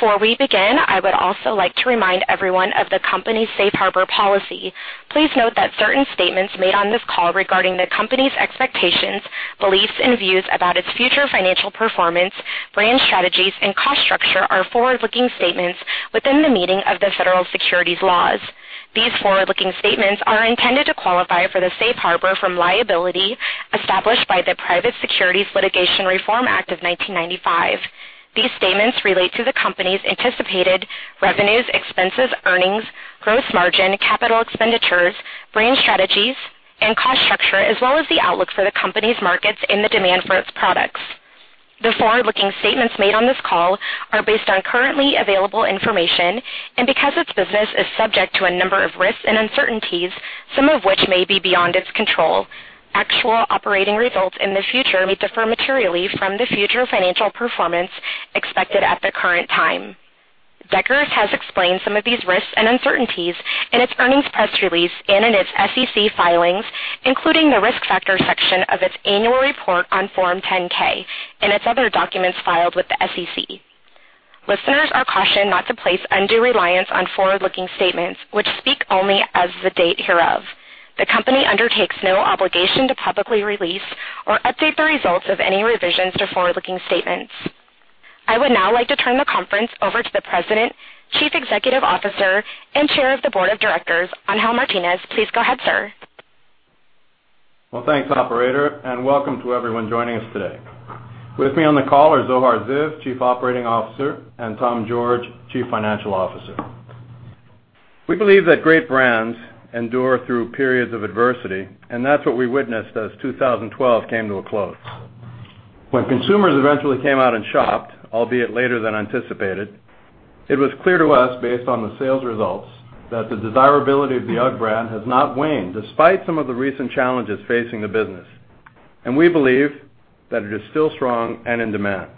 Before we begin, I would also like to remind everyone of the company's safe harbor policy. Please note that certain statements made on this call regarding the company's expectations, beliefs, and views about its future financial performance, brand strategies, and cost structure are forward-looking statements within the meaning of the federal securities laws. These forward-looking statements are intended to qualify for the safe harbor from liability established by the Private Securities Litigation Reform Act of 1995. These statements relate to the company's anticipated revenues, expenses, earnings, gross margin, capital expenditures, brand strategies, and cost structure, as well as the outlook for the company's markets and the demand for its products. The forward-looking statements made on this call are based on currently available information, and because its business is subject to a number of risks and uncertainties, some of which may be beyond its control, actual operating results in the future may differ materially from the future financial performance expected at the current time. Deckers has explained some of these risks and uncertainties in its earnings press release and in its SEC filings, including the Risk Factors section of its annual report on Form 10-K and its other documents filed with the SEC. Listeners are cautioned not to place undue reliance on forward-looking statements, which speak only as the date hereof. The company undertakes no obligation to publicly release or update the results of any revisions to forward-looking statements. I would now like to turn the conference over to the President, Chief Executive Officer, and Chair of the Board of Directors, Angel Martinez. Please go ahead, sir. Well, thanks, operator, and welcome to everyone joining us today. With me on the call are Zohar Ziv, Chief Operating Officer, and Tom George, Chief Financial Officer. We believe that great brands endure through periods of adversity, and that's what we witnessed as 2012 came to a close. When consumers eventually came out and shopped, albeit later than anticipated, it was clear to us, based on the sales results, that the desirability of the UGG brand has not waned despite some of the recent challenges facing the business, and we believe that it is still strong and in demand.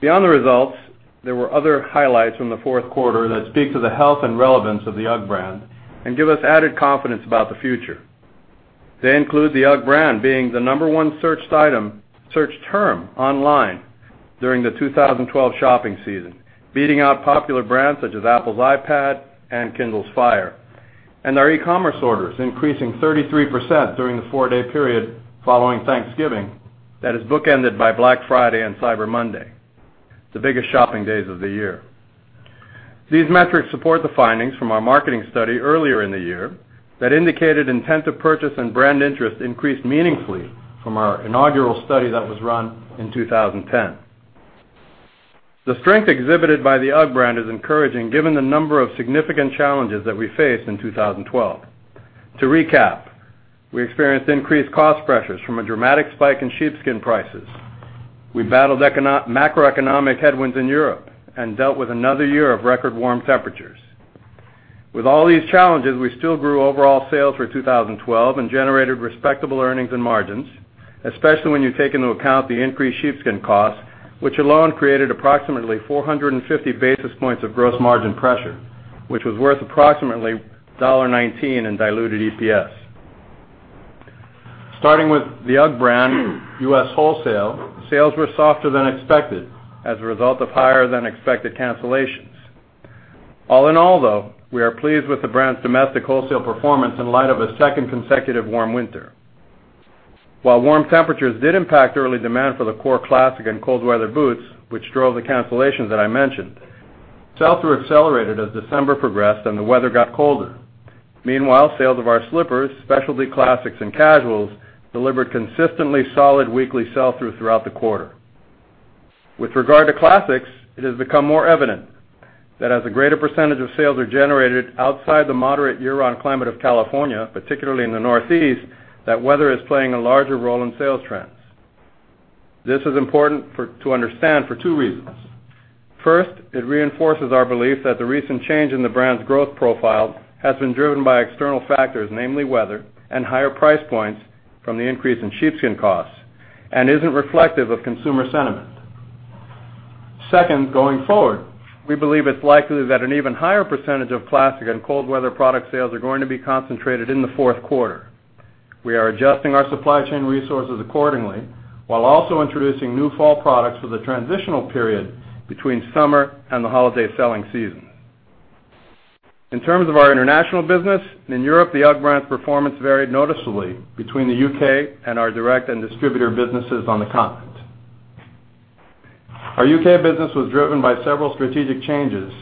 Beyond the results, there were other highlights from the fourth quarter that speak to the health and relevance of the UGG brand and give us added confidence about the future. They include the UGG brand being the number one searched term online during the 2012 shopping season, beating out popular brands such as Apple's iPad and Kindle's Fire, and our e-commerce orders increasing 33% during the four-day period following Thanksgiving, that is bookended by Black Friday and Cyber Monday, the biggest shopping days of the year. These metrics support the findings from our marketing study earlier in the year that indicated intent to purchase and brand interest increased meaningfully from our inaugural study that was run in 2010. The strength exhibited by the UGG brand is encouraging given the number of significant challenges that we faced in 2012. To recap, we experienced increased cost pressures from a dramatic spike in sheepskin prices. We battled macroeconomic headwinds in Europe and dealt with another year of record warm temperatures. With all these challenges, we still grew overall sales for 2012 and generated respectable earnings and margins, especially when you take into account the increased sheepskin costs, which alone created approximately 450 basis points of gross margin pressure, which was worth approximately $1.19 in diluted EPS. Starting with the UGG brand U.S. wholesale, sales were softer than expected as a result of higher than expected cancellations. All in all, though, we are pleased with the brand's domestic wholesale performance in light of a second consecutive warm winter. While warm temperatures did impact early demand for the core classic and cold weather boots, which drove the cancellations that I mentioned, sell-through accelerated as December progressed and the weather got colder. Meanwhile, sales of our slippers, specialty classics, and casuals delivered consistently solid weekly sell-through throughout the quarter. With regard to classics, it has become more evident that as a greater percentage of sales are generated outside the moderate year-round climate of California, particularly in the Northeast, that weather is playing a larger role in sales trends. This is important to understand for two reasons. First, it reinforces our belief that the recent change in the brand's growth profile has been driven by external factors, namely weather and higher price points from the increase in sheepskin costs and isn't reflective of consumer sentiment. Second, going forward, we believe it's likely that an even higher percentage of classic and cold weather product sales are going to be concentrated in the fourth quarter. We are adjusting our supply chain resources accordingly while also introducing new fall products for the transitional period between summer and the holiday selling season. In terms of our international business, in Europe, the UGG brand's performance varied noticeably between the U.K. and our direct and distributor businesses on the continent. Our U.K. business was driven by several strategic changes,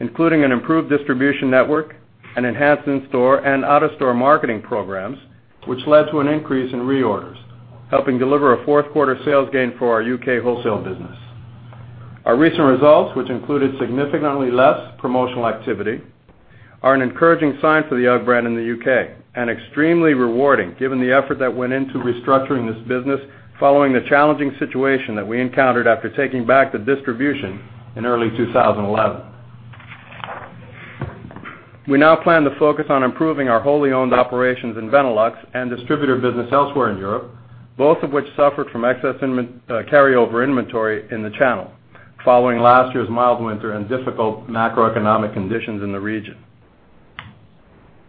including an improved distribution network and enhanced in-store and out-of-store marketing programs, which led to an increase in reorders, helping deliver a fourth-quarter sales gain for our U.K. wholesale business. Our recent results, which included significantly less promotional activity, are an encouraging sign for the UGG brand in the U.K. and extremely rewarding given the effort that went into restructuring this business following the challenging situation that we encountered after taking back the distribution in early 2011. We now plan to focus on improving our wholly owned operations in Benelux and distributor business elsewhere in Europe, both of which suffered from excess carryover inventory in the channel following last year's mild winter and difficult macroeconomic conditions in the region.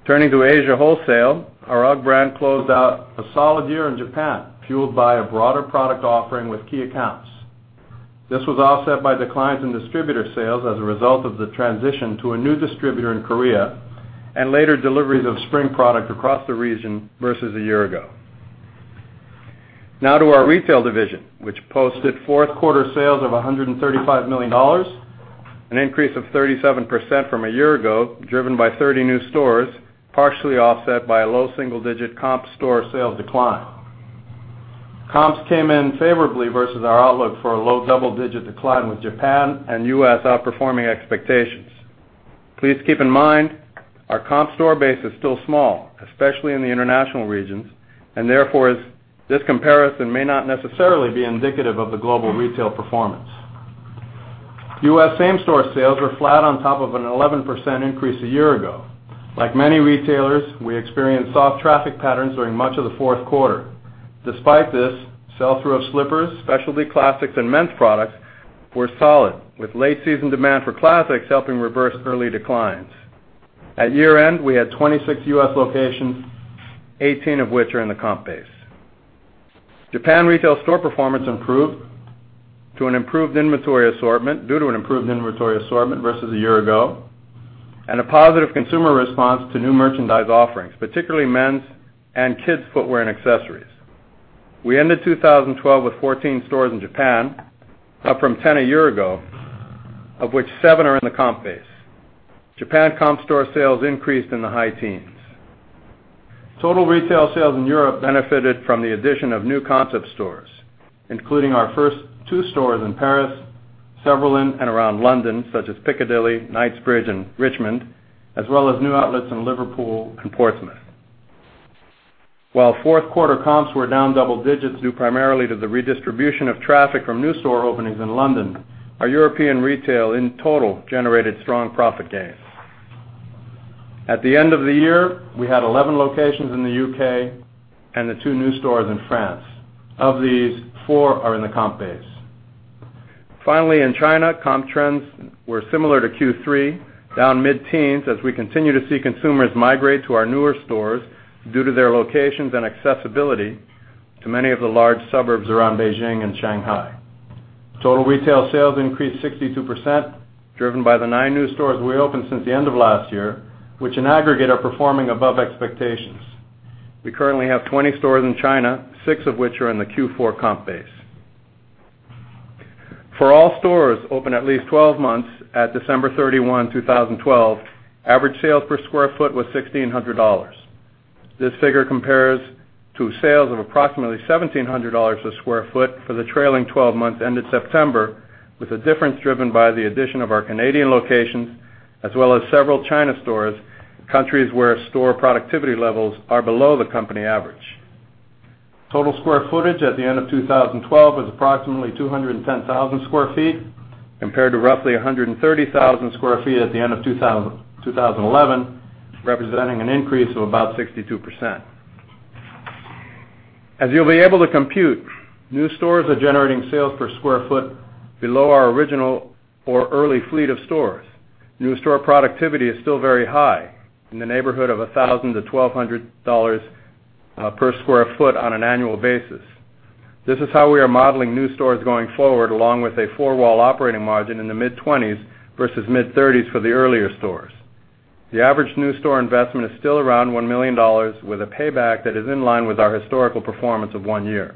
Turning to Asia wholesale, our UGG brand closed out a solid year in Japan, fueled by a broader product offering with key accounts. This was offset by declines in distributor sales as a result of the transition to a new distributor in Korea, and later deliveries of spring product across the region versus a year ago. Now to our retail division, which posted fourth quarter sales of $135 million, an increase of 37% from a year ago, driven by 30 new stores, partially offset by a low single-digit comp store sales decline. Comps came in favorably versus our outlook for a low double-digit decline, with Japan and U.S. outperforming expectations. Please keep in mind, our comp store base is still small, especially in the international regions, and therefore, this comparison may not necessarily be indicative of the global retail performance. U.S. same-store sales were flat on top of an 11% increase a year ago. Like many retailers, we experienced soft traffic patterns during much of the fourth quarter. Despite this, sell-through of slippers, specialty classics, and men's products were solid, with late-season demand for classics helping reverse early declines. At year-end, we had 26 U.S. locations, 18 of which are in the comp base. Japan retail store performance improved due to an improved inventory assortment versus a year ago and a positive consumer response to new merchandise offerings, particularly men's and kids' footwear and accessories. We ended 2012 with 14 stores in Japan, up from 10 a year ago, of which seven are in the comp base. Japan comp store sales increased in the high teens. Total retail sales in Europe benefited from the addition of new concept stores, including our first two stores in Paris, several in and around London, such as Piccadilly, Knightsbridge, and Richmond, as well as new outlets in Liverpool and Portsmouth. While fourth-quarter comps were down double digits due primarily to the redistribution of traffic from new store openings in London, our European retail in total generated strong profit gains. At the end of the year, we had 11 locations in the U.K. and the two new stores in France. Of these, four are in the comp base. Finally, in China, comp trends were similar to Q3, down mid-teens as we continue to see consumers migrate to our newer stores due to their locations and accessibility to many of the large suburbs around Beijing and Shanghai. Total retail sales increased 62%, driven by the nine new stores we opened since the end of last year, which in aggregate are performing above expectations. We currently have 20 stores in China, six of which are in the Q4 comp base. For all stores open at least 12 months at December 31, 2012, average sales per square foot was $1,600. This figure compares to sales of approximately $1,700 a square foot for the trailing 12 months ended September, with the difference driven by the addition of our Canadian locations as well as several China stores, countries where store productivity levels are below the company average. Total square footage at the end of 2012 was approximately 210,000 square feet, compared to roughly 130,000 square feet at the end of 2011, representing an increase of about 62%. As you'll be able to compute, new stores are generating sales per square foot below our original or early fleet of stores. New store productivity is still very high, in the neighborhood of $1,000-$1,200 per square foot on an annual basis. This is how we are modeling new stores going forward, along with a four-wall operating margin in the mid-20s versus mid-30s for the earlier stores. The average new store investment is still around $1 million, with a payback that is in line with our historical performance of one year.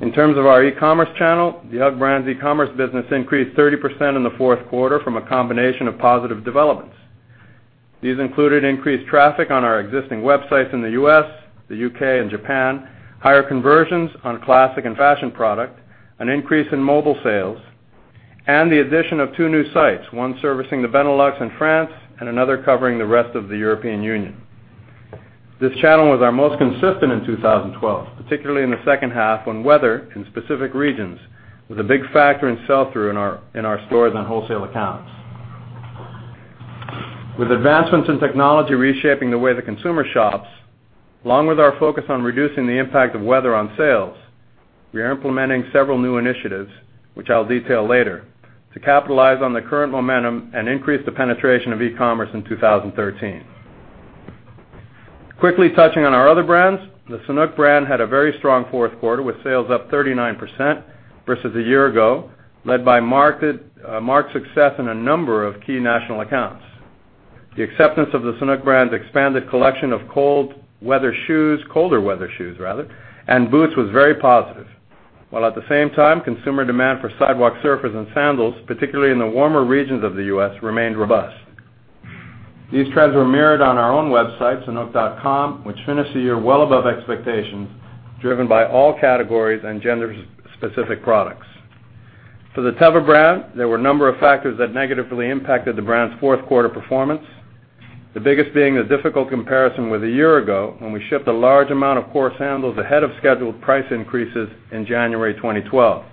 In terms of our e-commerce channel, the UGG brand's e-commerce business increased 30% in the fourth quarter from a combination of positive developments. These included increased traffic on our existing websites in the U.S., the U.K., and Japan, higher conversions on classic and fashion product, an increase in mobile sales, and the addition of two new sites, one servicing the Benelux and France, and another covering the rest of the European Union. This channel was our most consistent in 2012, particularly in the second half when weather in specific regions was a big factor in sell-through in our stores and wholesale accounts. With advancements in technology reshaping the way the consumer shops, along with our focus on reducing the impact of weather on sales, we are implementing several new initiatives, which I'll detail later, to capitalize on the current momentum and increase the penetration of e-commerce in 2013. Quickly touching on our other brands, the Sanuk brand had a very strong fourth quarter with sales up 39% versus a year ago, led by marked success in a number of key national accounts. The acceptance of the Sanuk brand's expanded collection of colder weather shoes and boots was very positive. While at the same time, consumer demand for sidewalk surfers and sandals, particularly in the warmer regions of the U.S., remained robust. These trends were mirrored on our own website, sanuk.com, which finished the year well above expectations, driven by all categories and gender-specific products. For the Teva brand, there were a number of factors that negatively impacted the brand's fourth-quarter performance. The biggest being the difficult comparison with a year ago, when we shipped a large amount of core sandals ahead of scheduled price increases in January 2012.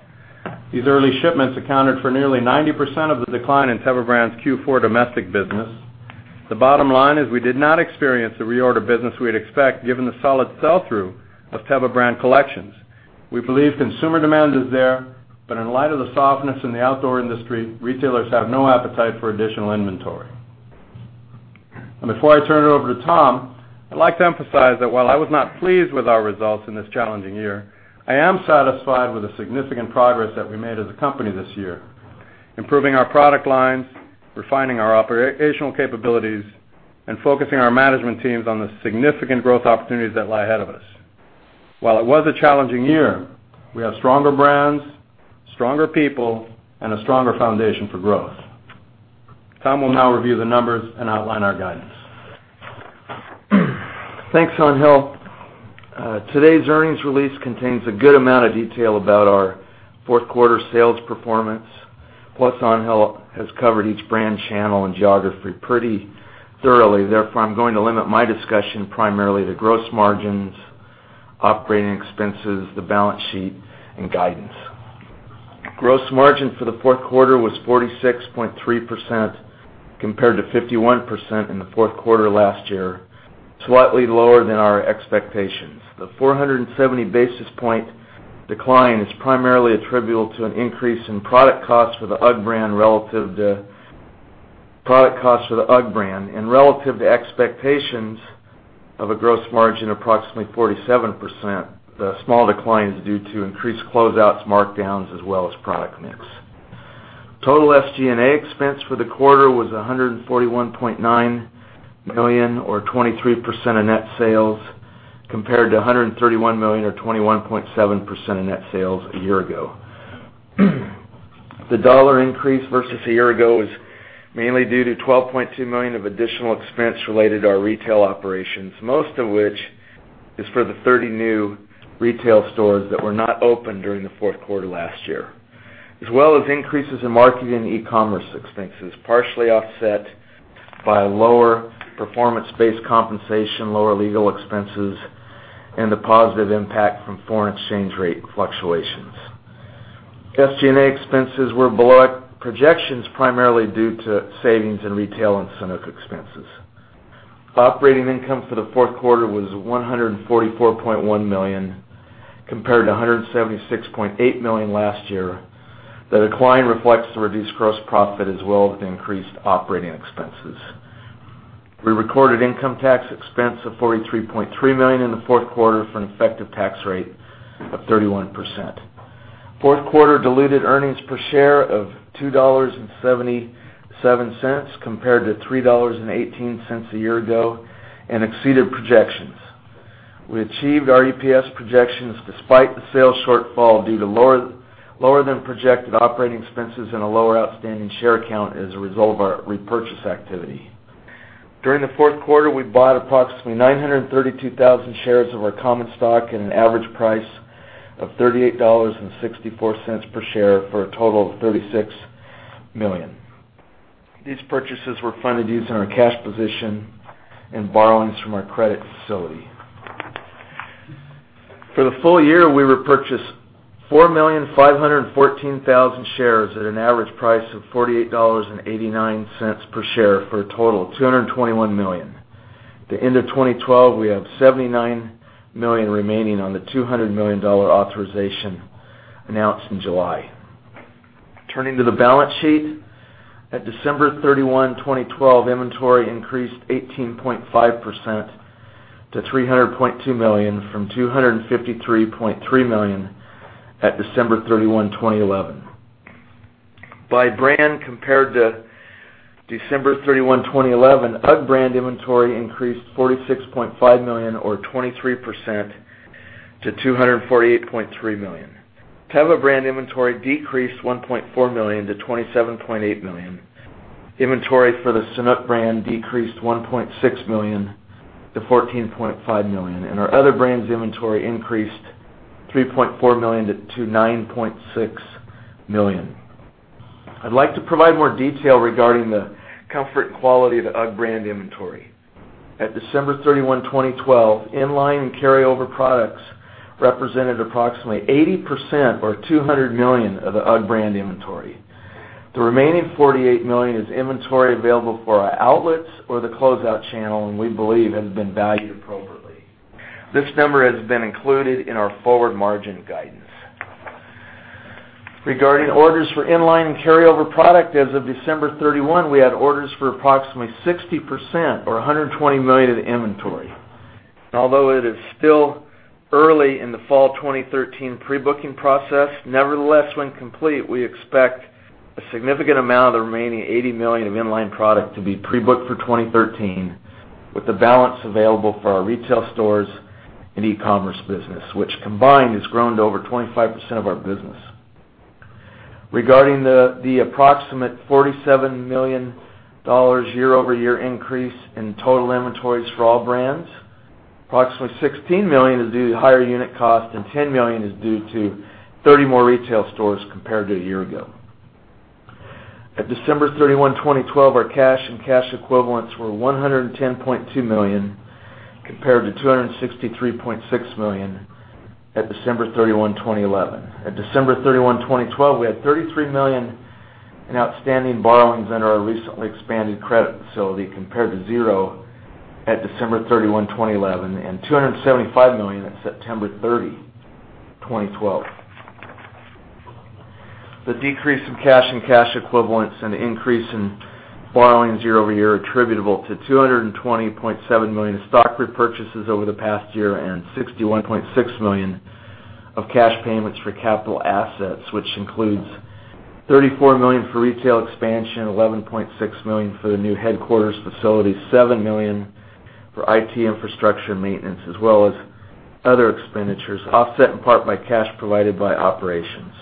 These early shipments accounted for nearly 90% of the decline in Teva brand's Q4 domestic business. The bottom line is we did not experience the reorder business we'd expect given the solid sell-through of Teva brand collections. We believe consumer demand is there, but in light of the softness in the outdoor industry, retailers have no appetite for additional inventory. Before I turn it over to Tom, I'd like to emphasize that while I was not pleased with our results in this challenging year, I am satisfied with the significant progress that we made as a company this year, improving our product lines, refining our operational capabilities, and focusing our management teams on the significant growth opportunities that lie ahead of us. While it was a challenging year, we have stronger brands, stronger people, and a stronger foundation for growth. Thomas will now review the numbers and outline our guidance. Thanks, Angel. Today's earnings release contains a good amount of detail about our fourth quarter sales performance. Angel has covered each brand, channel, and geography pretty thoroughly. I'm going to limit my discussion primarily to gross margins, operating expenses, the balance sheet, and guidance. Gross margin for the fourth quarter was 46.3% compared to 51% in the fourth quarter last year, slightly lower than our expectations. The 470 basis point decline is primarily attributable to an increase in product costs for the UGG brand and relative to expectations of a gross margin of approximately 47%. The small decline is due to increased closeouts, markdowns, as well as product mix. Total SG&A expense for the quarter was $141.9 million or 23% of net sales, compared to $131 million or 21.7% of net sales a year ago. The dollar increase versus a year ago was mainly due to $12.2 million of additional expense related to our retail operations, most of which is for the 30 new retail stores that were not open during the fourth quarter last year, as well as increases in marketing e-commerce expenses, partially offset by lower performance-based compensation, lower legal expenses, and the positive impact from foreign exchange rate fluctuations. SG&A expenses were below our projections, primarily due to savings in retail incentive expenses. Operating income for the fourth quarter was $144.1 million, compared to $176.8 million last year. The decline reflects the reduced gross profit as well as the increased operating expenses. We recorded income tax expense of $43.3 million in the fourth quarter for an effective tax rate of 31%. Fourth quarter diluted earnings per share of $2.77 compared to $3.18 a year ago and exceeded projections. We achieved our EPS projections despite the sales shortfall due to lower than projected operating expenses and a lower outstanding share count as a result of our repurchase activity. During the fourth quarter, we bought approximately 932,000 shares of our common stock at an average price of $38.64 per share for a total of $36 million. These purchases were funded using our cash position and borrowings from our credit facility. For the full year, we repurchased 4,514,000 shares at an average price of $48.89 per share for a total of $221 million. At the end of 2012, we have $79 million remaining on the $200 million authorization announced in July. Turning to the balance sheet. At December 31, 2012, inventory increased 18.5% to $300.2 million from $253.3 million at December 31, 2011. By brand, compared to December 31, 2011, UGG brand inventory increased $46.5 million or 23% to $248.3 million. Teva brand inventory decreased $1.4 million to $27.8 million. Inventory for the Sanuk brand decreased $1.6 million to $14.5 million, and our other brands' inventory increased $3.4 million to $9.6 million. I'd like to provide more detail regarding the comfort and quality of the UGG brand inventory. At December 31, 2012, in-line and carryover products represented approximately 80% or $200 million of the UGG brand inventory. The remaining $48 million is inventory available for our outlets or the closeout channel, and we believe has been valued appropriately. This number has been included in our forward margin guidance. Regarding orders for in-line and carryover product, as of December 31, we had orders for approximately 60% or $120 million of the inventory. Although it is still early in the fall 2013 pre-booking process, nevertheless, when complete, we expect a significant amount of the remaining $80 million of in-line product to be pre-booked for 2013 with the balance available for our retail stores and e-commerce business, which combined has grown to over 25% of our business. Regarding the approximate $47 million year-over-year increase in total inventories for all brands, approximately $16 million is due to higher unit cost, and $10 million is due to 30 more retail stores compared to a year ago. At December 31, 2012, our cash and cash equivalents were $110.2 million, compared to $263.6 million at December 31, 2011. At December 31, 2012, we had $33 million in outstanding borrowings under our recently expanded credit facility compared to zero at December 31, 2011, and $275 million at September 30, 2012. The decrease in cash and cash equivalents and increase in borrowings year-over-year attributable to $220.7 million stock repurchases over the past year and $61.6 million of cash payments for capital assets, which includes $34 million for retail expansion, $11.6 million for the new headquarters facility, $7 million for IT infrastructure and maintenance, as well as other expenditures offset in part by cash provided by operations.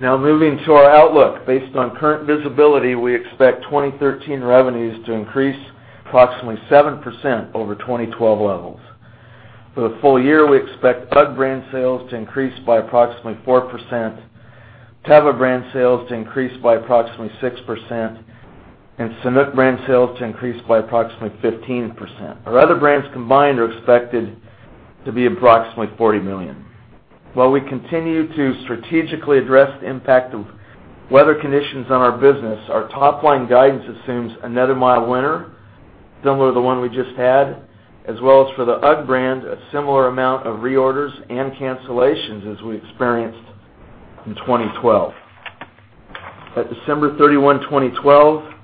Now moving to our outlook. Based on current visibility, we expect 2013 revenues to increase approximately 7% over 2012 levels. For the full year, we expect UGG brand sales to increase by approximately 4%, Teva brand sales to increase by approximately 6%, and Sanuk brand sales to increase by approximately 15%. Our other brands combined are expected to be approximately $40 million. While we continue to strategically address the impact of weather conditions on our business, our top-line guidance assumes a net mild winter similar to the one we just had, as well as for the UGG brand, a similar amount of reorders and cancellations as we experienced in 2012. At December 31, 2012,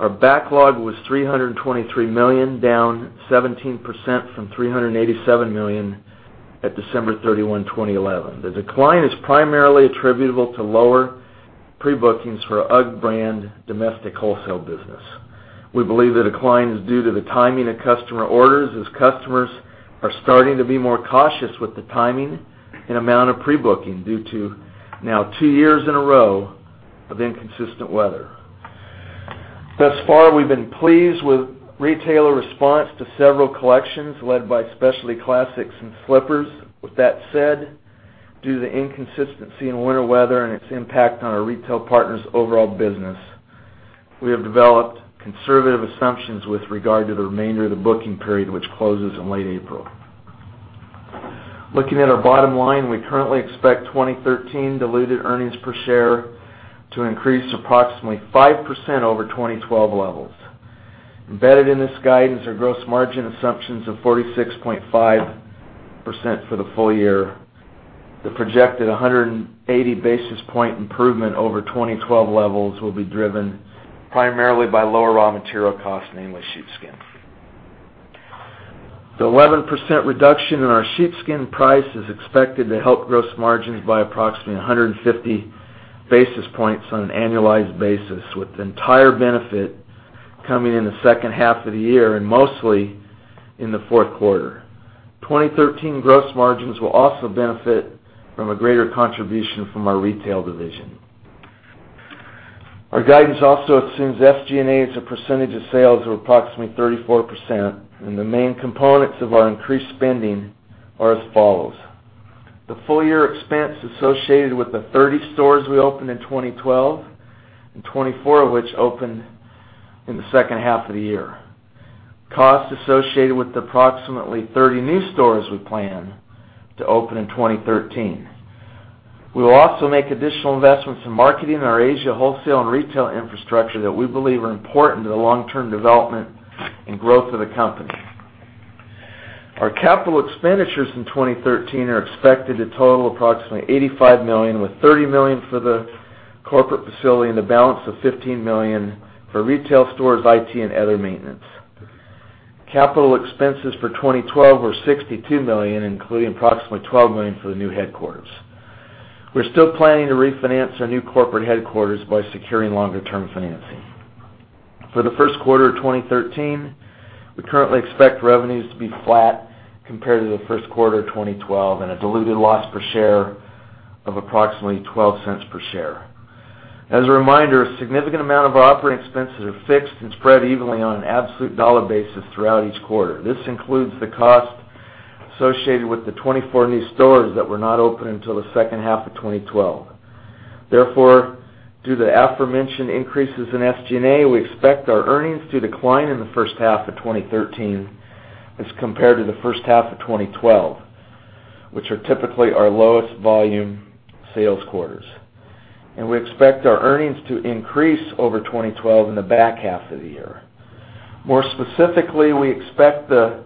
our backlog was $323 million, down 17% from $387 million at December 31, 2011. The decline is primarily attributable to lower pre-bookings for UGG brand domestic wholesale business. We believe the decline is due to the timing of customer orders as customers are starting to be more cautious with the timing and amount of pre-booking due to now two years in a row of inconsistent weather. Thus far, we've been pleased with retailer response to several collections led by specialty classics and slippers. With that said, due to the inconsistency in winter weather and its impact on our retail partners' overall business, we have developed conservative assumptions with regard to the remainder of the booking period, which closes in late April. Looking at our bottom line, we currently expect 2013 diluted earnings per share to increase approximately 5% over 2012 levels. Embedded in this guidance are gross margin assumptions of 46.5% for the full year. The projected 180-basis-point improvement over 2012 levels will be driven primarily by lower raw material costs, namely sheepskin. The 11% reduction in our sheepskin price is expected to help gross margins by approximately 150 basis points on an annualized basis, with the entire benefit coming in the second half of the year and mostly in the fourth quarter. 2013 gross margins will also benefit from a greater contribution from our retail division. Our guidance also assumes SG&A as a percentage of sales of approximately 34%. The main components of our increased spending are as follows. The full-year expense associated with the 30 stores we opened in 2012, 24 of which opened in the second half of the year. Costs associated with the approximately 30 new stores we plan to open in 2013. We will also make additional investments in marketing our Asia wholesale and retail infrastructure that we believe are important to the long-term development and growth of the company. Our capital expenditures in 2013 are expected to total approximately $85 million, with $30 million for the corporate facility and the balance of $15 million for retail stores, IT, and other maintenance. Capital expenses for 2012 were $62 million, including approximately $12 million for the new headquarters. We're still planning to refinance our new corporate headquarters by securing longer-term financing. For the first quarter of 2013, we currently expect revenues to be flat compared to the first quarter of 2012 and a diluted loss per share of approximately $0.12 per share. As a reminder, a significant amount of our operating expenses are fixed and spread evenly on an absolute dollar basis throughout each quarter. This includes the cost associated with the 24 new stores that were not open until the second half of 2012. Therefore, due to the aforementioned increases in SG&A, we expect our earnings to decline in the first half of 2013 as compared to the first half of 2012, which are typically our lowest volume sales quarters. We expect our earnings to increase over 2012 in the back half of the year. More specifically, we expect the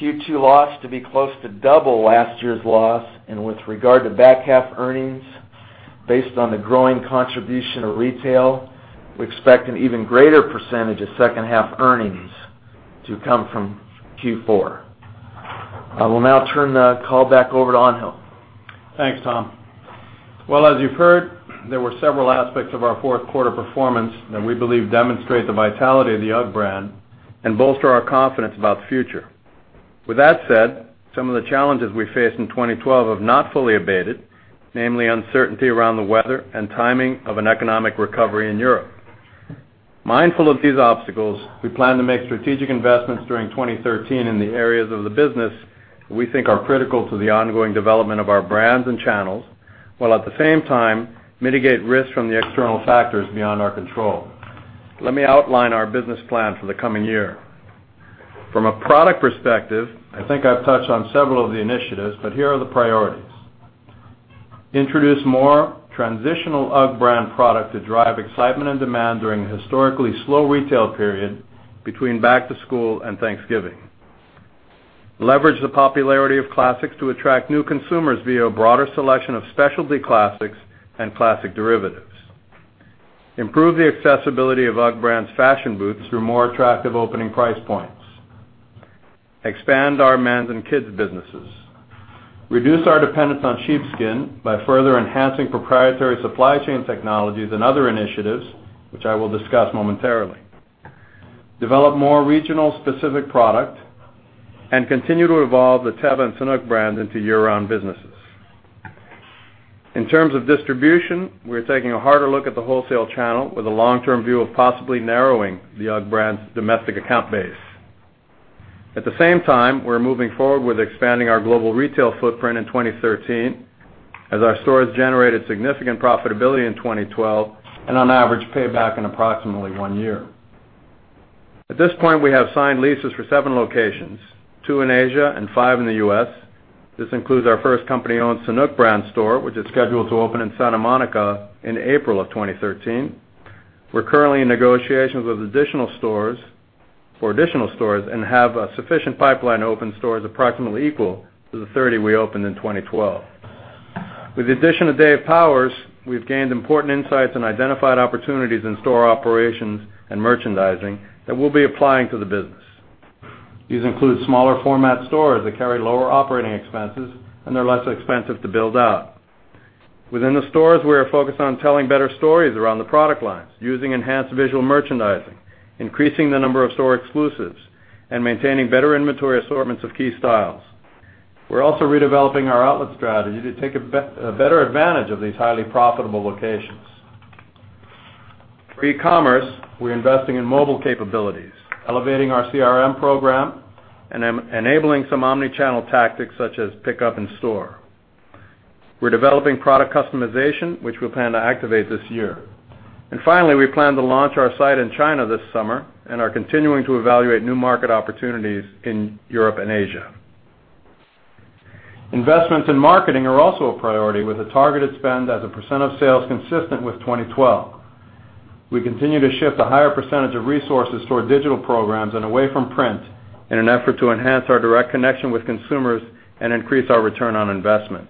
Q2 loss to be close to double last year's loss. With regard to back half earnings, based on the growing contribution of retail, we expect an even greater percentage of second half earnings to come from Q4. I will now turn the call back over to Angel. Thanks, Tom. As you've heard, there were several aspects of our fourth quarter performance that we believe demonstrate the vitality of the UGG brand and bolster our confidence about the future. With that said, some of the challenges we faced in 2012 have not fully abated, namely uncertainty around the weather and timing of an economic recovery in Europe. Mindful of these obstacles, we plan to make strategic investments during 2013 in the areas of the business we think are critical to the ongoing development of our brands and channels, while at the same time mitigate risk from the external factors beyond our control. Let me outline our business plan for the coming year. From a product perspective, I think I've touched on several of the initiatives, but here are the priorities. Introduce more transitional UGG brand product to drive excitement and demand during a historically slow retail period between back to school and Thanksgiving. Leverage the popularity of classics to attract new consumers via a broader selection of specialty classics and classic derivatives. Improve the accessibility of UGG brand's fashion boots through more attractive opening price points. Expand our men's and kids' businesses. Reduce our dependence on sheepskin by further enhancing proprietary supply chain technologies and other initiatives, which I will discuss momentarily. Develop more regional specific product and continue to evolve the Teva and Sanuk brands into year-round businesses. In terms of distribution, we're taking a harder look at the wholesale channel with a long-term view of possibly narrowing the UGG brand's domestic account base. At the same time, we're moving forward with expanding our global retail footprint in 2013, as our stores generated significant profitability in 2012, and on average, pay back in approximately one year. At this point, we have signed leases for seven locations, two in Asia and five in the U.S. This includes our first company-owned Sanuk brand store, which is scheduled to open in Santa Monica in April of 2013. We're currently in negotiations for additional stores and have a sufficient pipeline to open stores approximately equal to the 30 we opened in 2012. With the addition of Dave Powers, we've gained important insights and identified opportunities in store operations and merchandising that we'll be applying to the business. These include smaller format stores that carry lower operating expenses, and they're less expensive to build out. Within the stores, we are focused on telling better stories around the product lines, using enhanced visual merchandising, increasing the number of store exclusives, and maintaining better inventory assortments of key styles. We're also redeveloping our outlet strategy to take better advantage of these highly profitable locations. For e-commerce, we're investing in mobile capabilities, elevating our CRM program, and enabling some omni-channel tactics such as pickup in-store. We're developing product customization, which we plan to activate this year. Finally, we plan to launch our site in China this summer and are continuing to evaluate new market opportunities in Europe and Asia. Investments in marketing are also a priority, with a targeted spend as a percent of sales consistent with 2012. We continue to shift a higher percentage of resources toward digital programs and away from print in an effort to enhance our direct connection with consumers and increase our return on investment.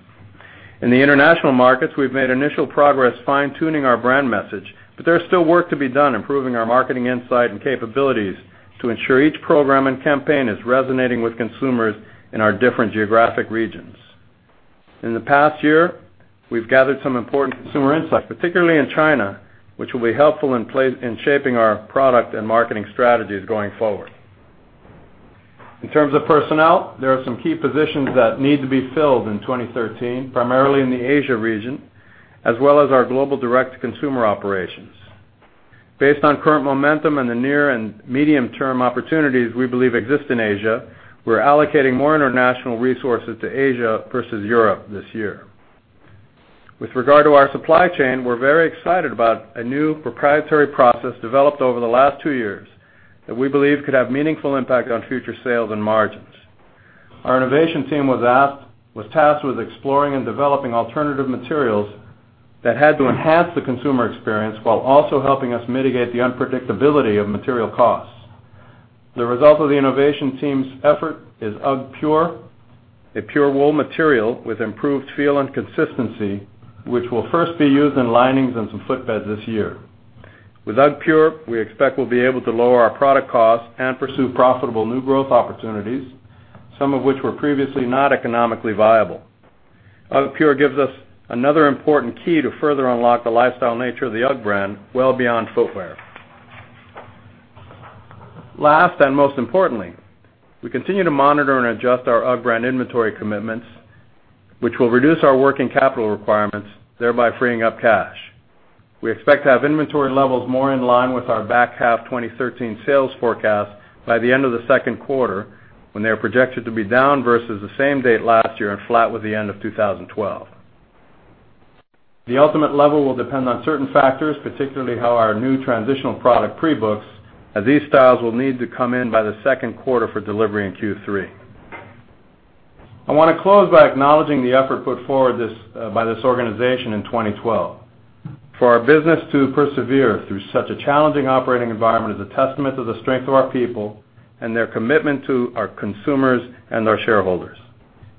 In the international markets, we've made initial progress fine-tuning our brand message, but there's still work to be done improving our marketing insight and capabilities to ensure each program and campaign is resonating with consumers in our different geographic regions. In the past year, we've gathered some important consumer insights, particularly in China, which will be helpful in shaping our product and marketing strategies going forward. In terms of personnel, there are some key positions that need to be filled in 2013, primarily in the Asia region, as well as our global direct-to-consumer operations. Based on current momentum and the near and medium-term opportunities we believe exist in Asia, we're allocating more international resources to Asia versus Europe this year. With regard to our supply chain, we're very excited about a new proprietary process developed over the last two years that we believe could have a meaningful impact on future sales and margins. Our innovation team was tasked with exploring and developing alternative materials that had to enhance the consumer experience while also helping us mitigate the unpredictability of material costs. The result of the innovation team's effort is UGGpure, a pure wool material with improved feel and consistency, which will first be used in linings and some footbeds this year. With UGGpure, we expect we'll be able to lower our product cost and pursue profitable new growth opportunities, some of which were previously not economically viable. UGGpure gives us another important key to further unlock the lifestyle nature of the UGG brand well beyond footwear. Last and most importantly, we continue to monitor and adjust our UGG brand inventory commitments, which will reduce our working capital requirements, thereby freeing up cash. We expect to have inventory levels more in line with our back half 2013 sales forecast by the end of the second quarter when they are projected to be down versus the same date last year and flat with the end of 2012. The ultimate level will depend on certain factors, particularly how our new transitional product pre-books, as these styles will need to come in by the second quarter for delivery in Q3. I want to close by acknowledging the effort put forward by this organization in 2012. For our business to persevere through such a challenging operating environment is a testament to the strength of our people and their commitment to our consumers and our shareholders.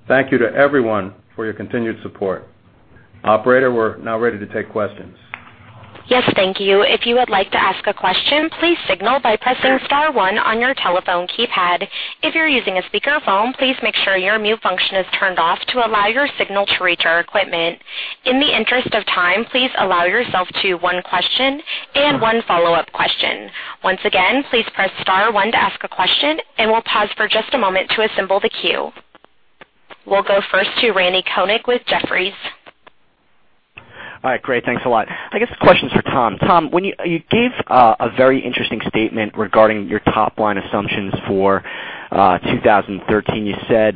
Thank you to everyone for your continued support. Operator, we're now ready to take questions. Yes, thank you. If you would like to ask a question, please signal by pressing star one on your telephone keypad. If you're using a speakerphone, please make sure your mute function is turned off to allow your signal to reach our equipment. In the interest of time, please allow yourself to one question and one follow-up question. Once again, please press star one to ask a question, and we'll pause for just a moment to assemble the queue. We'll go first to Randal Konik with Jefferies. All right, great. Thanks a lot. I guess the question is for Tom. Tom, you gave a very interesting statement regarding your top-line assumptions for 2013. You said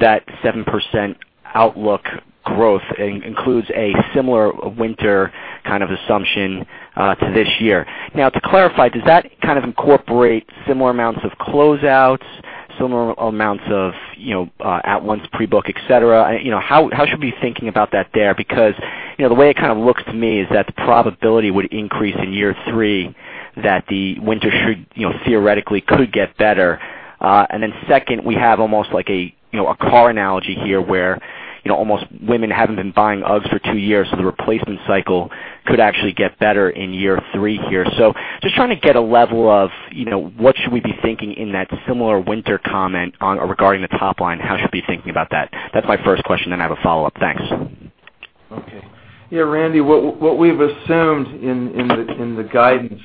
that 7% outlook growth includes a similar winter kind of assumption to this year. Now, to clarify, does that kind of incorporate similar amounts of closeouts, similar amounts of at-once pre-book, et cetera? How should we be thinking about that there? Because, the way it kind of looks to me is that the probability would increase in year three, that the winter theoretically could get better. Then second, we have almost like a car analogy here where almost women haven't been buying UGGs for two years, so the replacement cycle could actually get better in year three here. Just trying to get a level of what should we be thinking in that similar winter comment regarding the top line? How should we be thinking about that? That's my first question, then I have a follow-up. Thanks. Randy, what we've assumed in the guidance,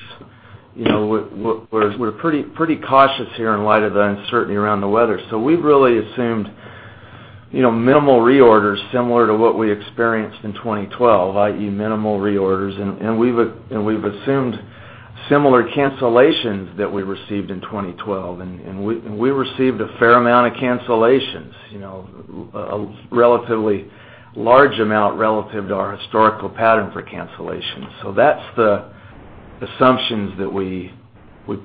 we're pretty cautious here in light of the uncertainty around the weather. We've really assumed minimal reorders similar to what we experienced in 2012, i.e., minimal reorders. We've assumed similar cancellations that we received in 2012. We received a fair amount of cancellations, a relatively large amount relative to our historical pattern for cancellations. That's the assumptions that we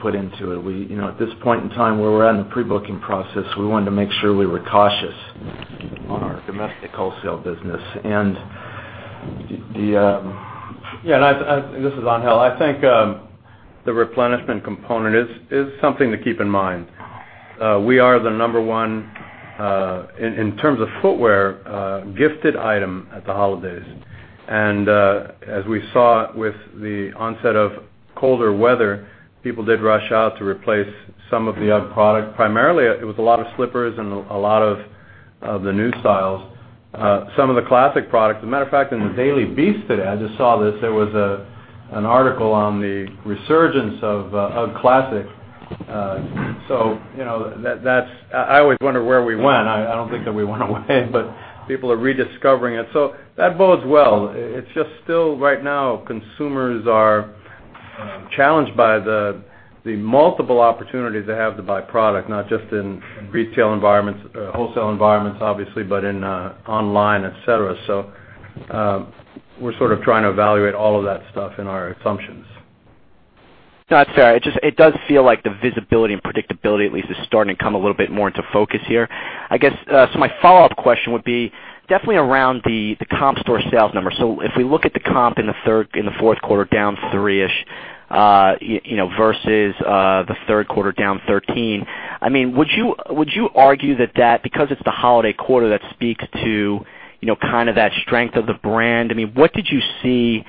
put into it. At this point in time, where we're at in the pre-booking process, we wanted to make sure we were cautious on our domestic wholesale business. This is Angel, I think, the replenishment component is something to keep in mind. We are the number 1 in terms of footwear, gifted item at the holidays. As we saw with the onset of colder weather, people did rush out to replace some of the UGG product. Primarily, it was a lot of slippers and a lot of the new styles, some of the classic products. As a matter of fact, in The Daily Beast today, I just saw this, there was an article on the resurgence of UGG classic. I always wonder where we went. I don't think that we went away, but people are rediscovering it. That bodes well. It's just still right now, consumers are challenged by the multiple opportunities they have to buy product, not just in retail environments, wholesale environments, obviously, but in online, et cetera. We're sort of trying to evaluate all of that stuff in our assumptions. That's fair. It does feel like the visibility and predictability at least is starting to come a little bit more into focus here. My follow-up question would be definitely around the comp store sales number. If we look at the comp in the fourth quarter down three-ish, versus, the third quarter down 13, would you argue that because it's the holiday quarter, that speaks to that strength of the brand? What did you see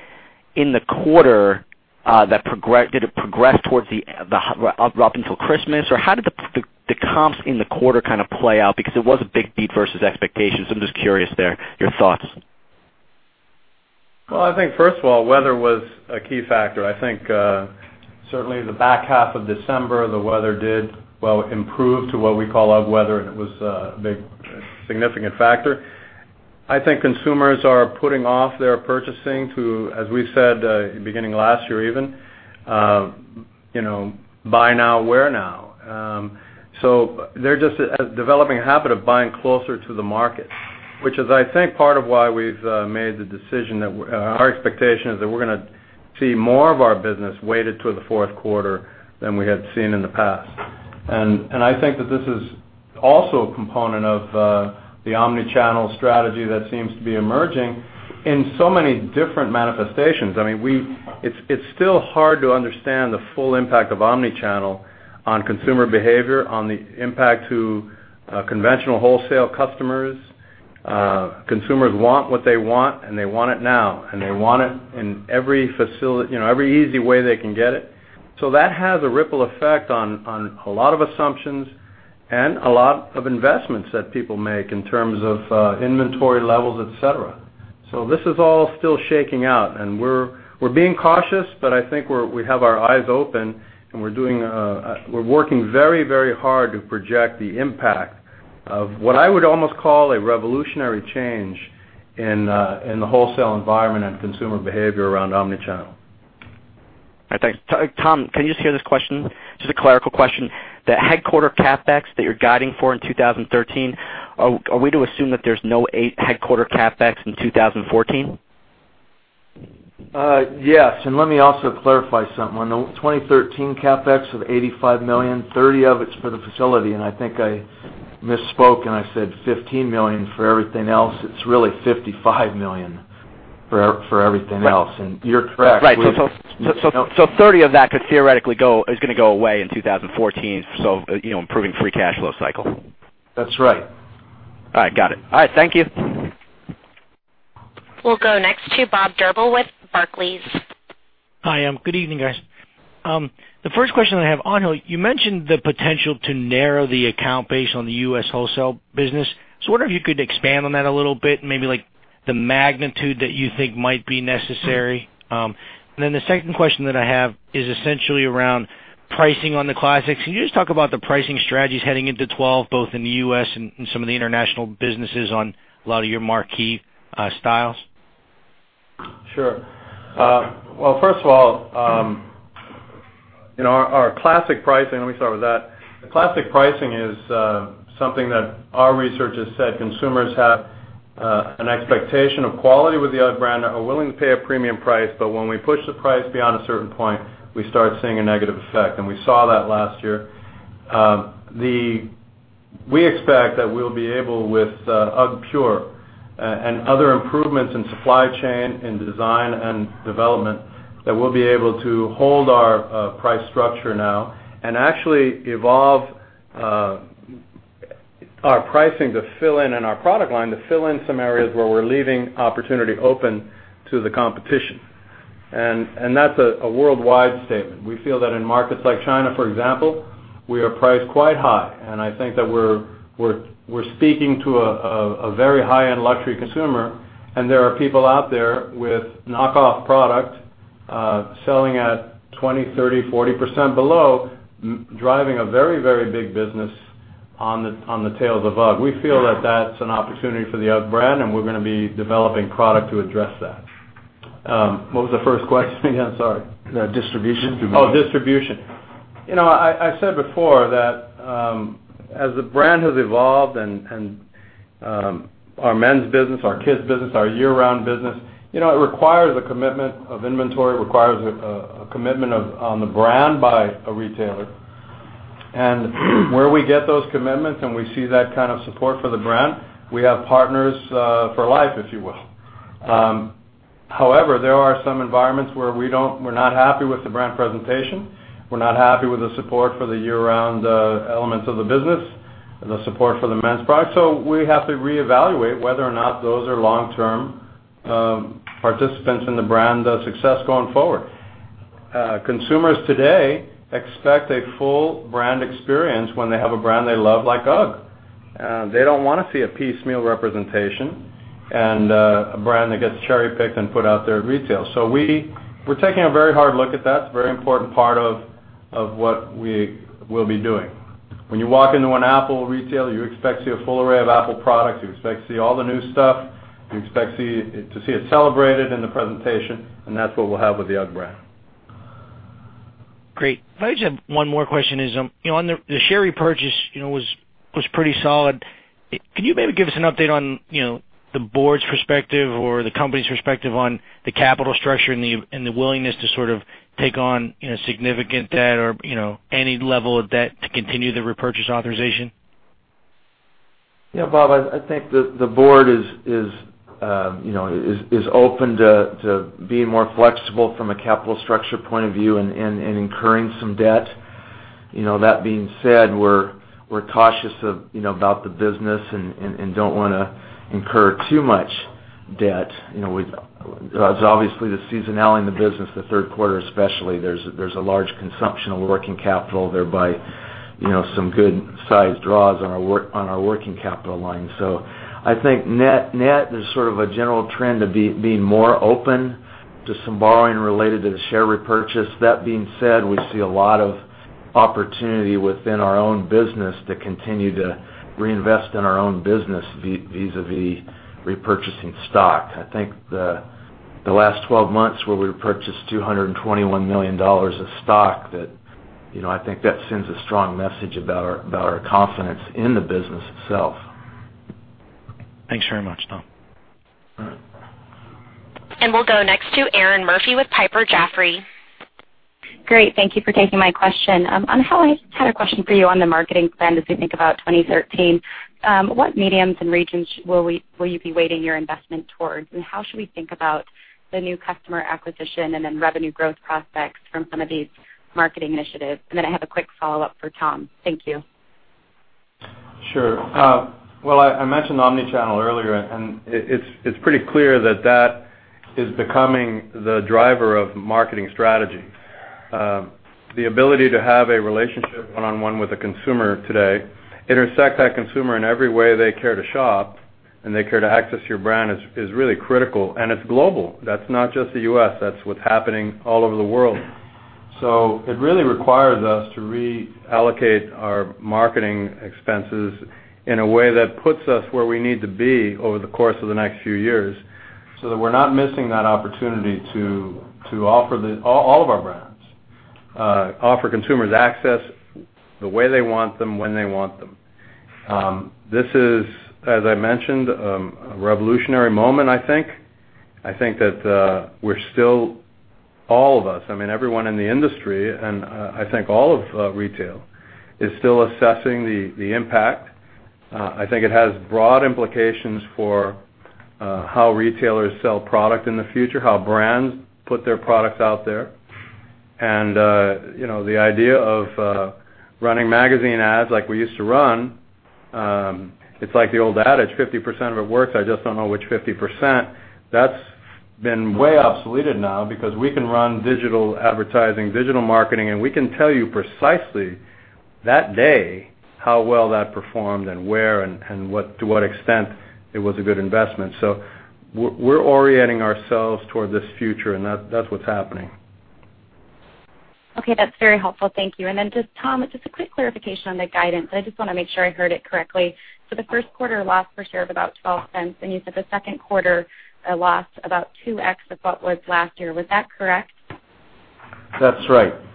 in the quarter that did it progress up until Christmas? Or how did the comps in the quarter kind of play out? It was a big beat versus expectations. I'm just curious there, your thoughts. I think first of all, weather was a key factor. I think, certainly the back half of December, the weather did improve to what we call UGG weather, and it was a big, significant factor. I think consumers are putting off their purchasing to, as we said, beginning last year even, buy now, wear now. They're just developing a habit of buying closer to the market, which is, I think, part of why we've made the decision that our expectation is that we're gonna see more of our business weighted to the fourth quarter than we had seen in the past. I think that this is also a component of the omni-channel strategy that seems to be emerging in so many different manifestations. It's still hard to understand the full impact of omni-channel on consumer behavior, on the impact to conventional wholesale customers. Consumers want what they want, they want it now, and they want it in every easy way they can get it. That has a ripple effect on a lot of assumptions and a lot of investments that people make in terms of inventory levels, et cetera. This is all still shaking out, and we're being cautious, but I think we have our eyes open, and we're working very hard to project the impact of what I would almost call a revolutionary change in the wholesale environment and consumer behavior around omni-channel. All right. Thanks. Tom, can you just hear this question? Just a clerical question. The headquarter CapEx that you're guiding for in 2013, are we to assume that there's no headquarter CapEx in 2014? Yes. Let me also clarify something. On the 2013 CapEx of $85 million, $30 million of it's for the facility, and I think I misspoke and I said $15 million for everything else. It's really $55 million for everything else. You're correct. Right. $30 million of that could theoretically is going to go away in 2014, improving free cash flow cycle. That's right. All right. Got it. All right. Thank you. We'll go next to Bob Drbul with Barclays. Hi. Good evening, guys. The first question I have, Angel, you mentioned the potential to narrow the account base on the U.S. wholesale business. I wonder if you could expand on that a little bit, maybe like the magnitude that you think might be necessary. The second question that I have is essentially around pricing on the classics. Can you just talk about the pricing strategies heading into 2012, both in the U.S. and some of the international businesses on a lot of your marquee styles? Well, first of all, our classic pricing, let me start with that. The classic pricing is something that our research has said consumers have an expectation of quality with the UGG brand, are willing to pay a premium price, but when we push the price beyond a certain point, we start seeing a negative effect. We saw that last year. We expect that we'll be able, with UGGpure and other improvements in supply chain, in design, and development, that we'll be able to hold our price structure now and actually evolve our pricing to fill in, and our product line to fill in some areas where we're leaving opportunity open to the competition. That's a worldwide statement. We feel that in markets like China, for example, we are priced quite high, and I think that we're speaking to a very high-end luxury consumer, and there are people out there with knockoff product, selling at 20%, 30%, 40% below, driving a very big business on the tails of UGG. We feel that that's an opportunity for the UGG brand, and we're going to be developing product to address that. What was the first question again? Sorry. Distribution. Oh, distribution. I said before that as the brand has evolved and our men's business, our kids' business, our year-round business, it requires a commitment of inventory, requires a commitment on the brand by a retailer. Where we get those commitments and we see that kind of support for the brand, we have partners for life, if you will. However, there are some environments where we're not happy with the brand presentation. We're not happy with the support for the year-round elements of the business and the support for the men's product. We have to reevaluate whether or not those are long-term participants in the brand success going forward. Consumers today expect a full brand experience when they have a brand they love, like UGG. They don't want to see a piecemeal representation and a brand that gets cherry-picked and put out there at retail. We're taking a very hard look at that. It's a very important part of what we'll be doing. When you walk into an Apple retail, you expect to see a full array of Apple products. You expect to see all the new stuff. You expect to see it celebrated in the presentation, and that's what we'll have with the UGG brand. Great. If I could just add one more question is, on the share repurchase was pretty solid. Can you maybe give us an update on the board's perspective or the company's perspective on the capital structure and the willingness to sort of take on significant debt or any level of debt to continue the repurchase authorization? Yeah, Bob, I think the board is open to being more flexible from a capital structure point of view and incurring some debt. That being said, we're cautious about the business and don't want to incur too much debt. Obviously, the seasonality in the business, the third quarter especially, there's a large consumption of working capital, thereby, some good-sized draws on our working capital line. I think net, there's sort of a general trend of being more open to some borrowing related to the share repurchase. That being said, we see a lot of opportunity within our own business to continue to reinvest in our own business vis-a-vis repurchasing stock. I think the last 12 months where we repurchased $221 million of stock, I think that sends a strong message about our confidence in the business itself. Thanks very much, Tom. All right. We'll go next to Erinn Murphy with Piper Jaffray. Great. Thank you for taking my question. On holiday, I had a question for you on the marketing plan as we think about 2013. What mediums and regions will you be weighting your investment towards, and how should we think about the new customer acquisition and then revenue growth prospects from some of these marketing initiatives? Then I have a quick follow-up for Tom. Thank you. Sure. Well, I mentioned omni-channel earlier, and it's pretty clear that that is becoming the driver of marketing strategy. The ability to have a relationship one-on-one with a consumer today, intersect that consumer in every way they care to shop and they care to access your brand is really critical, and it's global. That's not just the U.S. That's what's happening all over the world. It really requires us to reallocate our marketing expenses in a way that puts us where we need to be over the course of the next few years so that we're not missing that opportunity to offer all of our brands, offer consumers access the way they want them, when they want them. This is, as I mentioned, a revolutionary moment, I think. I think that we're still, all of us, everyone in the industry, and I think all of retail, is still assessing the impact. I think it has broad implications for how retailers sell product in the future, how brands put their products out there. The idea of running magazine ads like we used to run, it's like the old adage, 50% of it works, I just don't know which 50%. That's been way obsoleted now because we can run digital advertising, digital marketing, and we can tell you precisely that day how well that performed and where and to what extent it was a good investment. We're orienting ourselves toward this future, and that's what's happening. Okay. That's very helpful. Thank you. Tom, just a quick clarification on the guidance. I just want to make sure I heard it correctly. The first quarter loss per share of about $0.12, and you said the second quarter loss about 2X of what was last year. Was that correct? That's right. Okay,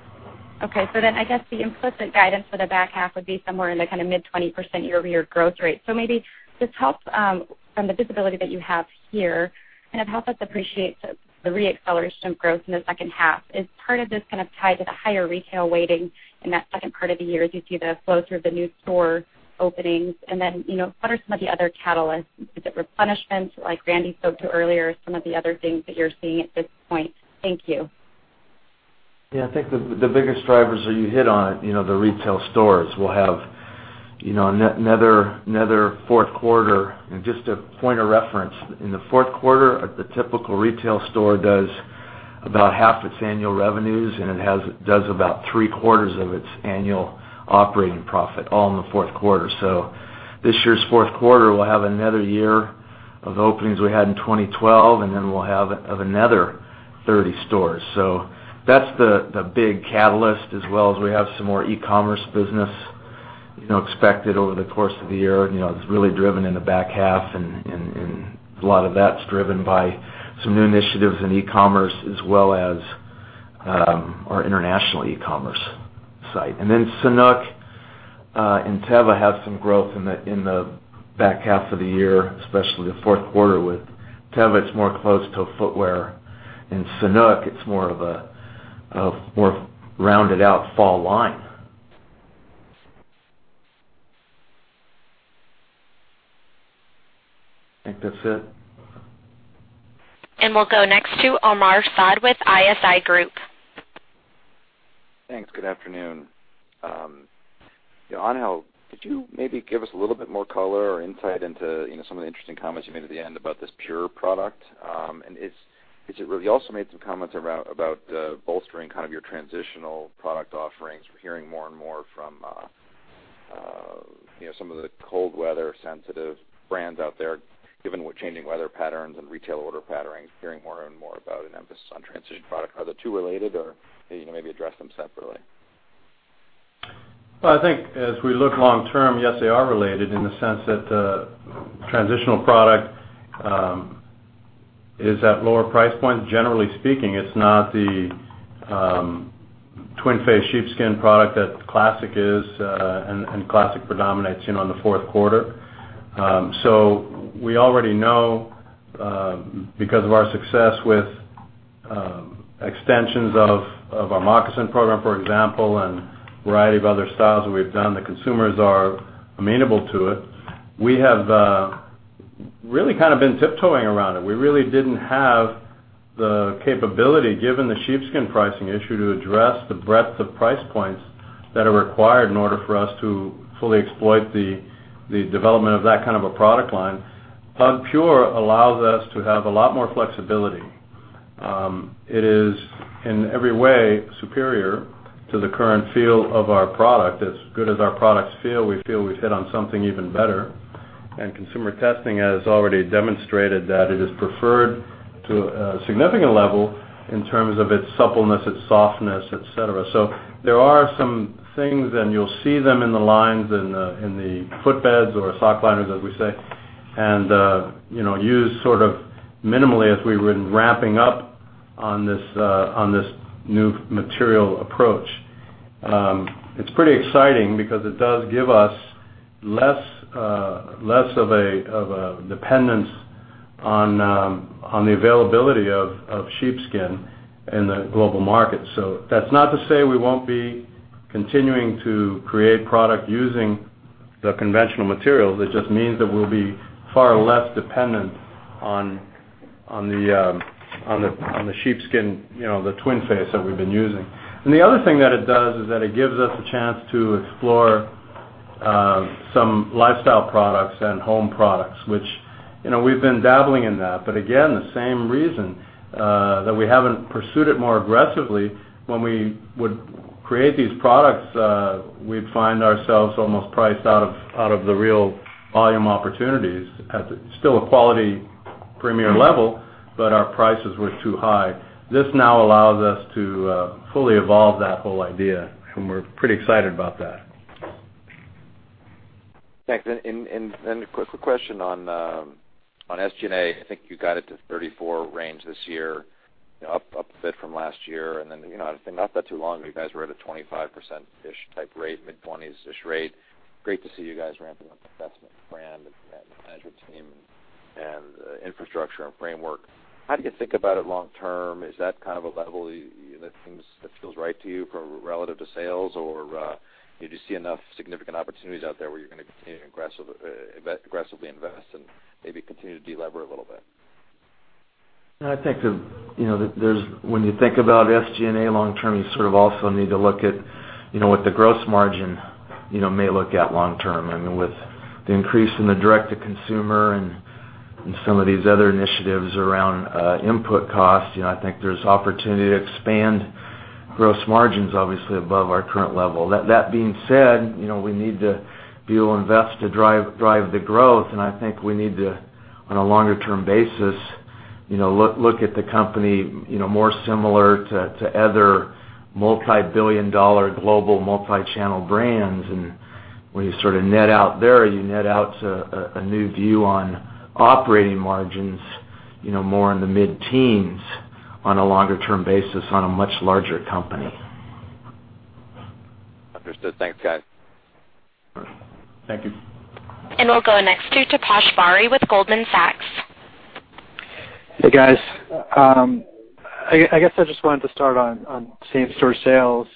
I guess the implicit guidance for the back half would be somewhere in the kind of mid 20% year-over-year growth rate. Maybe just help, from the visibility that you have here, kind of help us appreciate the re-acceleration of growth in the second half. Is part of this kind of tied to the higher retail weighting in that second part of the year as you see the flow through of the new store openings? What are some of the other catalysts? Is it replenishment, like Randy spoke to earlier, or some of the other things that you're seeing at this point? Thank you. I think the biggest drivers are, you hit on it, the retail stores. We'll have another fourth quarter. Just a point of reference, in the fourth quarter, the typical retail store does about half its annual revenues, and it does about three-quarters of its annual operating profit, all in the fourth quarter. This year's fourth quarter, we'll have another year of openings we had in 2012, and then we'll have another 30 stores. That's the big catalyst as well as we have some more e-commerce business expected over the course of the year. It's really driven in the back half, and a lot of that's driven by some new initiatives in e-commerce, as well as our international e-commerce site. Sanuk and Teva have some growth in the back half of the year, especially the fourth quarter. With Teva, it's more closed-toe footwear. In Sanuk, it's more of a more rounded out fall line. I think that's it. We'll go next to Omar Saad with ISI Group. Thanks. Good afternoon. Angel, could you maybe give us a little bit more color or insight into some of the interesting comments you made at the end about this pure product? You also made some comments about bolstering kind of your transitional product offerings. We're hearing more and more from some of the cold weather sensitive brands out there, given changing weather patterns and retail order patterns, hearing more and more about an emphasis on transition product. Are the two related, or maybe address them separately? I think as we look long term, yes, they are related in the sense that transitional product is at lower price points. Generally speaking, it's not the twin face sheepskin product that classic is, classic predominates in on the fourth quarter. We already know, because of our success with extensions of our moccasin program, for example, and a variety of other styles that we've done, the consumers are amenable to it. We have really kind of been tiptoeing around it. We really didn't have the capability, given the sheepskin pricing issue, to address the breadth of price points that are required in order for us to fully exploit the development of that kind of a product line. UGGpure allows us to have a lot more flexibility. It is, in every way, superior to the current feel of our product. As good as our products feel, we feel we've hit on something even better, and consumer testing has already demonstrated that it is preferred to a significant level in terms of its suppleness, its softness, et cetera. There are some things, and you'll see them in the lines, in the foot beds or sock liners, as we say, and used sort of minimally as we've been wrapping up on this new material approach. It's pretty exciting because it does give us less of a dependence on the availability of sheepskin in the global market. That's not to say we won't be continuing to create product using the conventional materials. It just means that we'll be far less dependent on the sheepskin, the twin face that we've been using. The other thing that it does is that it gives us a chance to explore some lifestyle products and home products. We've been dabbling in that, again, the same reason that we haven't pursued it more aggressively, when we would create these products, we'd find ourselves almost priced out of the real volume opportunities at still a quality premier level, but our prices were too high. This now allows us to fully evolve that whole idea. We're pretty excited about that. Thanks. A quick question on SG&A. I think you got it to 34% range this year, up a bit from last year. Not that too long ago, you guys were at a 25%-ish type rate, mid 20s-ish rate. Great to see you guys ramping up investment in brand and management team and infrastructure and framework. How do you think about it long term? Is that kind of a level that seems, that feels right to you for relative to sales, or did you see enough significant opportunities out there where you're going to continue to aggressively invest and maybe continue to delever a little bit? I think when you think about SG&A long term, you sort of also need to look at what the gross margin may look at long term. With the increase in the direct-to-consumer and some of these other initiatives around input costs, I think there's opportunity to expand gross margins, obviously, above our current level. That being said, we need to be able to invest to drive the growth, I think we need to, on a longer-term basis, look at the company, more similar to other multi-billion dollar global multi-channel brands. When you net out there, you net out to a new view on operating margins, more in the mid-teens on a longer term basis, on a much larger company. Understood. Thanks, guys. Thank you. We'll go next to Taposh Bari with Goldman Sachs. Hey, guys. I guess I just wanted to start on same-store sales.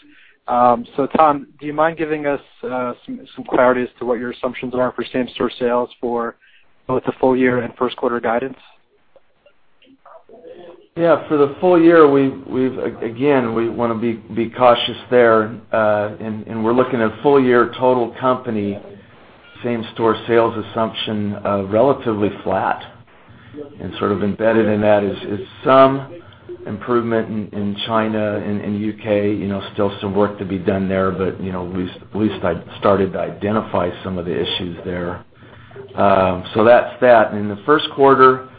Tom, do you mind giving us some clarity as to what your assumptions are for same-store sales for both the full year and first quarter guidance? Yeah. For the full year, again, we want to be cautious there. We're looking at full year total company same-store sales assumption of relatively flat and sort of embedded in that is some improvement in China and U.K. Still some work to be done there, but at least I started to identify some of the issues there. That's that. The first quarter,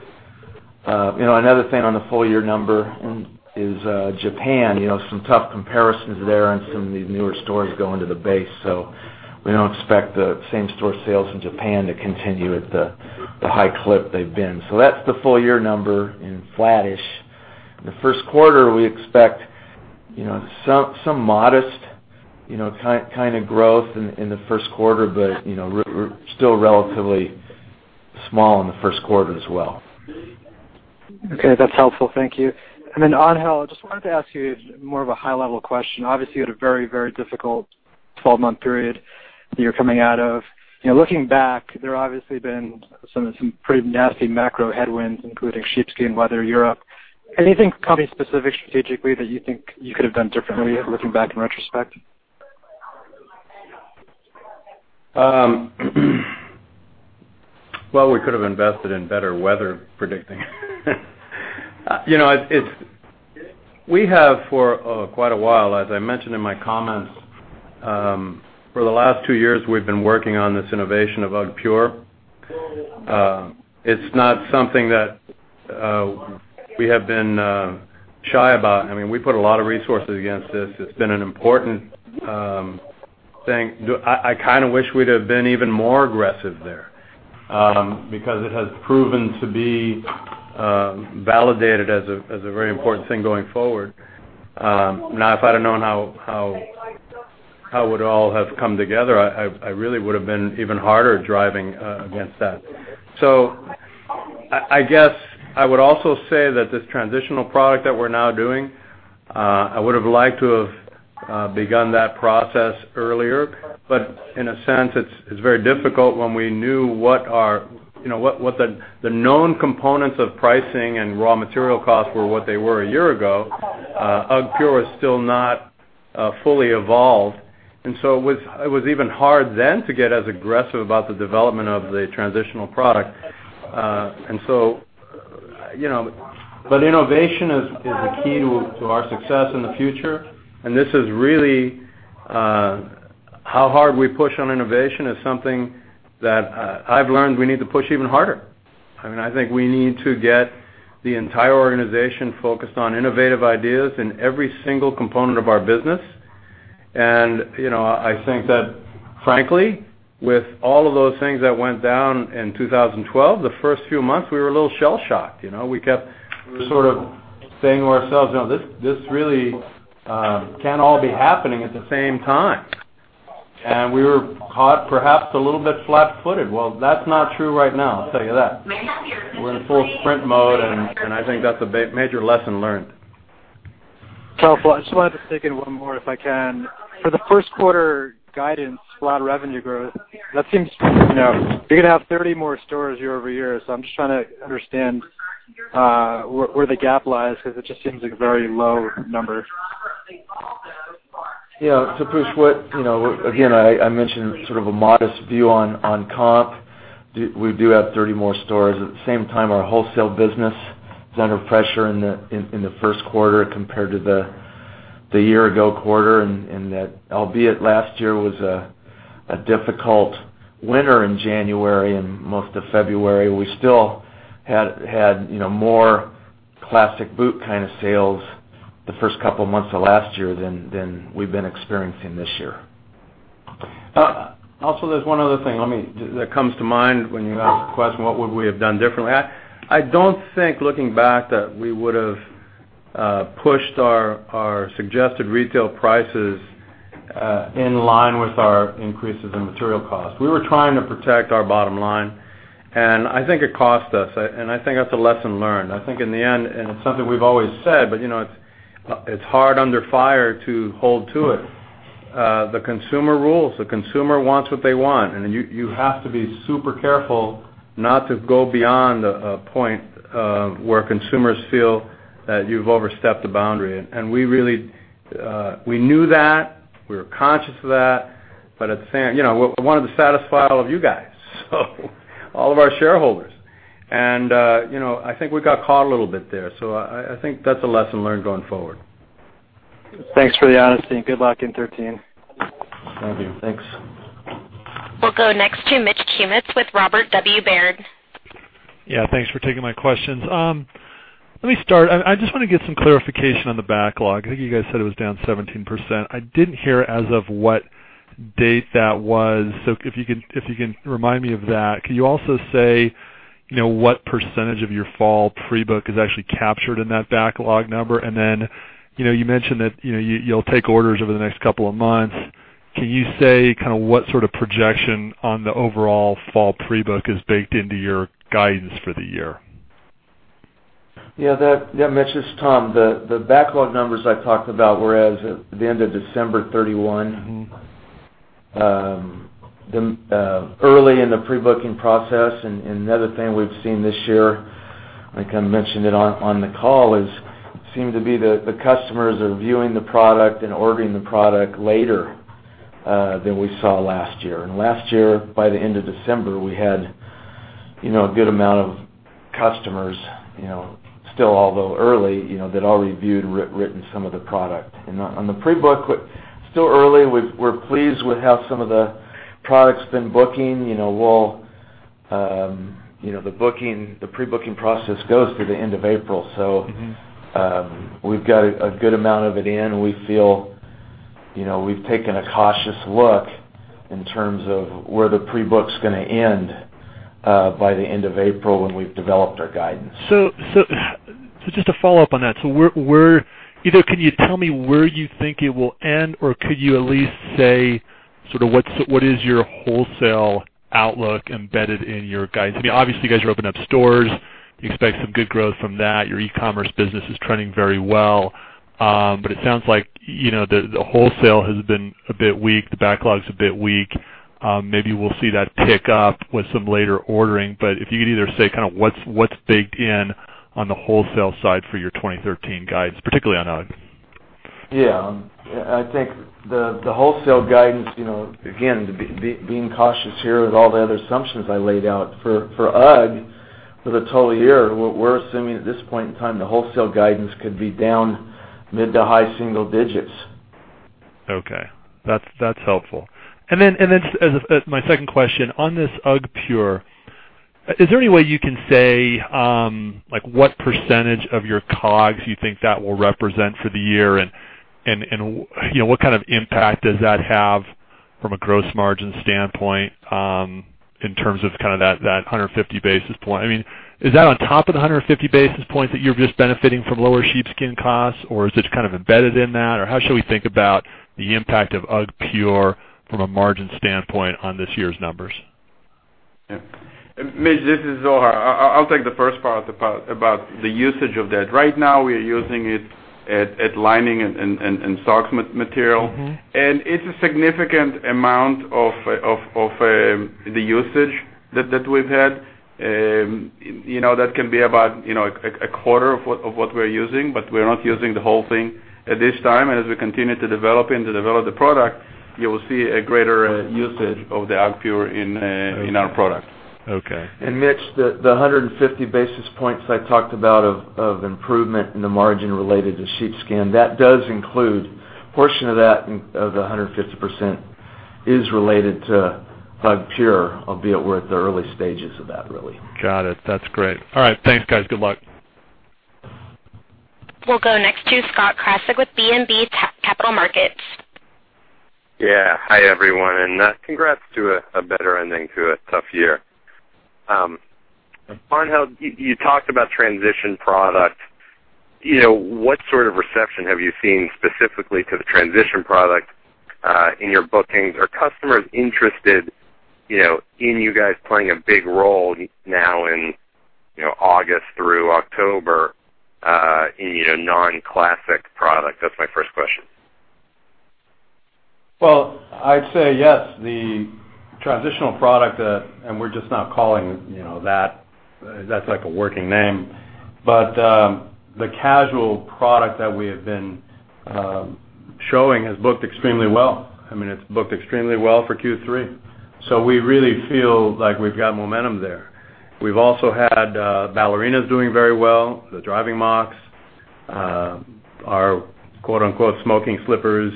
another thing on the full year number is Japan. Some tough comparisons there and some of the newer stores going to the base. We don't expect the same store sales in Japan to continue at the high clip they've been. That's the full year number in flattish. In the first quarter, we expect some modest kind of growth in the first quarter, but we're still relatively small in the first quarter as well. Okay. That's helpful. Thank you. Angel, I just wanted to ask you more of a high level question. Obviously, you had a very difficult 12-month period you're coming out of. Looking back, there obviously been some pretty nasty macro headwinds, including sheepskin, weather, Europe. Anything company specific, strategically that you think you could have done differently looking back in retrospect? Well, we could have invested in better weather predicting. We have for quite a while, as I mentioned in my comments, for the last two years, we've been working on this innovation of UGGpure. It's not something that we have been shy about. We put a lot of resources against this. It's been an important thing. I wish we'd have been even more aggressive there. It has proven to be validated as a very important thing going forward. Now, if I'd have known how it all have come together, I really would have been even harder driving against that. I guess I would also say that this transitional product that we're now doing, I would have liked to have begun that process earlier. In a sense, it's very difficult when we knew what the known components of pricing and raw material costs were what they were a year ago. UGGpure is still not fully evolved, it was even hard then to get as aggressive about the development of the transitional product. Innovation is the key to our success in the future, this is really how hard we push on innovation is something that I've learned we need to push even harder. I think we need to get the entire organization focused on innovative ideas in every single component of our business. I think that, frankly, with all of those things that went down in 2012, the first few months, we were a little shell-shocked. We kept sort of saying to ourselves, "This really can't all be happening at the same time." We were caught, perhaps a little bit flat-footed. Well, that's not true right now, I'll tell you that. We're in full sprint mode, I think that's a major lesson learned. Helpful. I just wanted to take in one more, if I can. For the first quarter guidance, flat revenue growth, that seems you're going to have 30 more stores year-over-year. I'm just trying to understand where the gap lies, because it just seems like a very low number. Yeah. Taposh, again, I mentioned sort of a modest view on comp. We do have 30 more stores. At the same time, our wholesale business is under pressure in the first quarter compared to the year-ago quarter. That albeit last year was a difficult winter in January and most of February. We still had more classic boot kind of sales the first couple of months of last year than we've been experiencing this year. Also, there's one other thing that comes to mind when you ask the question, what would we have done differently? I don't think looking back that we would have pushed our suggested retail prices in line with our increases in material costs. We were trying to protect our bottom line, I think it cost us, I think that's a lesson learned. I think in the end, it's something we've always said, but it's hard under fire to hold to it. The consumer rules, the consumer wants what they want, you have to be super careful not to go beyond a point where consumers feel that you've overstepped a boundary. We knew that, we were conscious of that. We wanted to satisfy all of you guys, all of our shareholders. I think we got caught a little bit there. I think that's a lesson learned going forward. Thanks for the honesty and good luck in 2013. Thank you. Thanks. We'll go next to Mitch Kummetz with Robert W. Baird. Yeah, thanks for taking my questions. Let me start. I just want to get some clarification on the backlog. I think you guys said it was down 17%. I didn't hear as of what date that was. If you can remind me of that. Could you also say, what % of your fall pre-book is actually captured in that backlog number? You mentioned that you'll take orders over the next couple of months. Can you say kind of what sort of projection on the overall fall pre-book is baked into your guidance for the year? Yeah, Mitch, this is Tom. The backlog numbers I talked about were as of the end of December 31. Early in the pre-booking process, another thing we've seen this year, I kind of mentioned it on the call, is seem to be the customers are viewing the product and ordering the product later than we saw last year. Last year, by the end of December, we had a good amount of customers, still although early, that already viewed and written some of the product. On the pre-book, still early, we're pleased with how some of the product's been booking. The pre-booking process goes through the end of April. We've got a good amount of it in. We feel we've taken a cautious look in terms of where the pre-book's going to end by the end of April, when we've developed our guidance. Just to follow up on that, either can you tell me where you think it will end, or could you at least say sort of what is your wholesale outlook embedded in your guidance? Obviously, you guys are opening up stores. You expect some good growth from that. Your e-commerce business is trending very well. It sounds like the wholesale has been a bit weak, the backlog's a bit weak. Maybe we'll see that pick up with some later ordering. If you could either say kind of what's baked in on the wholesale side for your 2013 guidance, particularly on UGG. Yeah. I think the wholesale guidance, again, being cautious here with all the other assumptions I laid out, for UGG for the total year, we're assuming at this point in time, the wholesale guidance could be down mid to high single digits. Okay. That's helpful. As my second question, on this UGGpure, is there any way you can say, like, what percentage of your COGS you think that will represent for the year, what kind of impact does that have from a gross margin standpoint, in terms of kind of that 150 basis point? Is that on top of the 150 basis points that you're just benefiting from lower sheepskin costs, or is this kind of embedded in that, or how should we think about the impact of UGGpure from a margin standpoint on this year's numbers? Mitch, this is Zohar. I'll take the first part about the usage of that. Right now, we are using it at lining and socks material. It's a significant amount of the usage that we've had. That can be about a quarter of what we're using, we're not using the whole thing at this time. As we continue to develop and to develop the product, you will see a greater usage of the UGGpure in our products. Okay. Mitch, the 150 basis points I talked about of improvement in the margin related to sheepskin, that does include, a portion of that, of the 150% is related to UGGpure, albeit we're at the early stages of that, really. Got it. That's great. All right. Thanks, guys. Good luck. We'll go next to Scott Krasik with BB&T Capital Markets. Yeah. Hi, everyone, congrats to a better ending to a tough year. Thanks. Angel, you talked about transition product. What sort of reception have you seen specifically to the transition product, in your bookings? Are customers interested in you guys playing a big role now in August through October, in non-classic product? That's my first question. Well, I'd say yes. The transitional product, we're just now calling it that. That's like a working name. The casual product that we have been showing has booked extremely well. It's booked extremely well for Q3. We really feel like we've got momentum there. We've also had ballerinas doing very well, the Driving Mocs, our smoking slippers.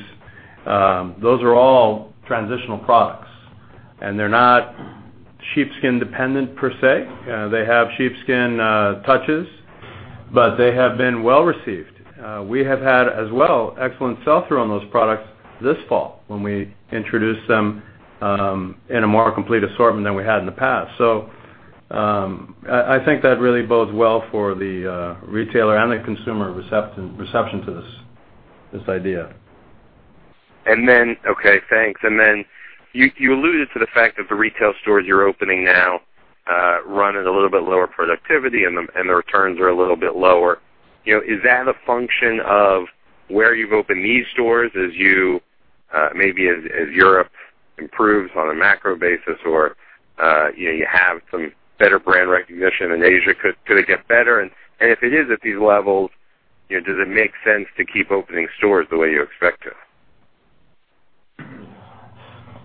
Those are all transitional products. They're not sheepskin dependent per se. They have sheepskin touches, they have been well-received. We have had as well, excellent sell-through on those products this fall when we introduced them in a more complete assortment than we had in the past. I think that really bodes well for the retailer and the consumer reception to this idea. Okay. Thanks. You alluded to the fact that the retail stores you're opening now run at a little bit lower productivity and the returns are a little bit lower. Is that a function of where you've opened these stores as you, maybe as Europe improves on a macro basis or you have some better brand recognition in Asia, could it get better? If it is at these levels, does it make sense to keep opening stores the way you expect to?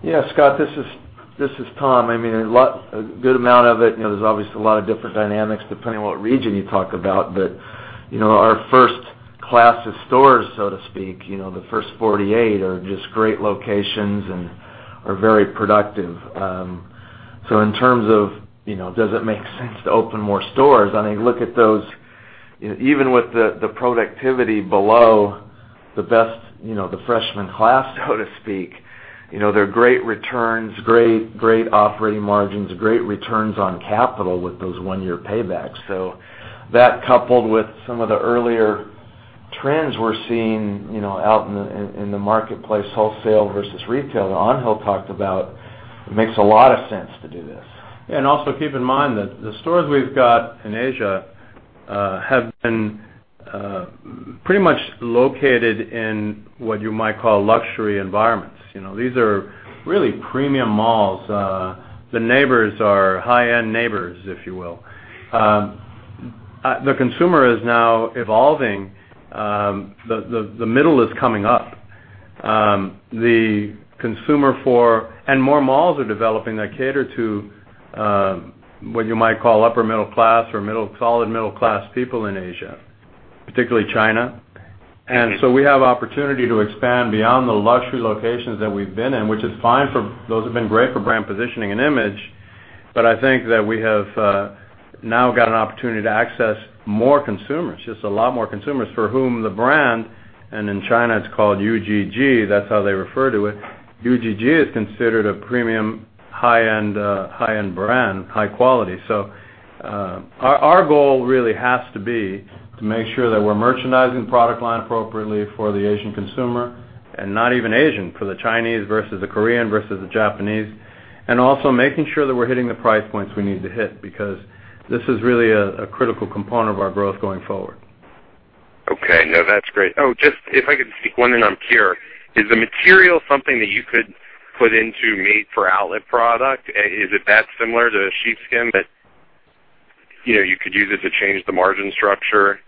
Yeah, Scott, this is Tom. A good amount of it, there's obviously a lot of different dynamics depending on what region you talk about. Our first Class of stores, so to speak, the first 48 are just great locations and are very productive. In terms of, does it make sense to open more stores? Look at those, even with the productivity below the best, the freshman class, so to speak, they're great returns, great operating margins, great returns on capital with those one-year paybacks. That coupled with some of the earlier trends we're seeing out in the marketplace, wholesale versus retail, that Angel talked about, it makes a lot of sense to do this. Also keep in mind that the stores we've got in Asia have been pretty much located in what you might call luxury environments. These are really premium malls. The neighbors are high-end neighbors, if you will. The consumer is now evolving. The middle is coming up. More malls are developing that cater to what you might call upper middle class or middle, solid middle class people in Asia, particularly China. We have opportunity to expand beyond the luxury locations that we've been in, which is fine for those have been great for brand positioning and image, but I think that we have now got an opportunity to access more consumers, just a lot more consumers for whom the brand, and in China, it's called UGG, that's how they refer to it. UGG is considered a premium high-end brand, high quality. Our goal really has to be to make sure that we're merchandising the product line appropriately for the Asian consumer, not even Asian, for the Chinese versus the Korean versus the Japanese. Also making sure that we're hitting the price points we need to hit because this is really a critical component of our growth going forward. Okay. No, that's great. Oh, just if I could sneak one in on Pure. Is the material something that you could put into made-for-outlet product? Is it that similar to sheepskin that you could use it to change the margin structure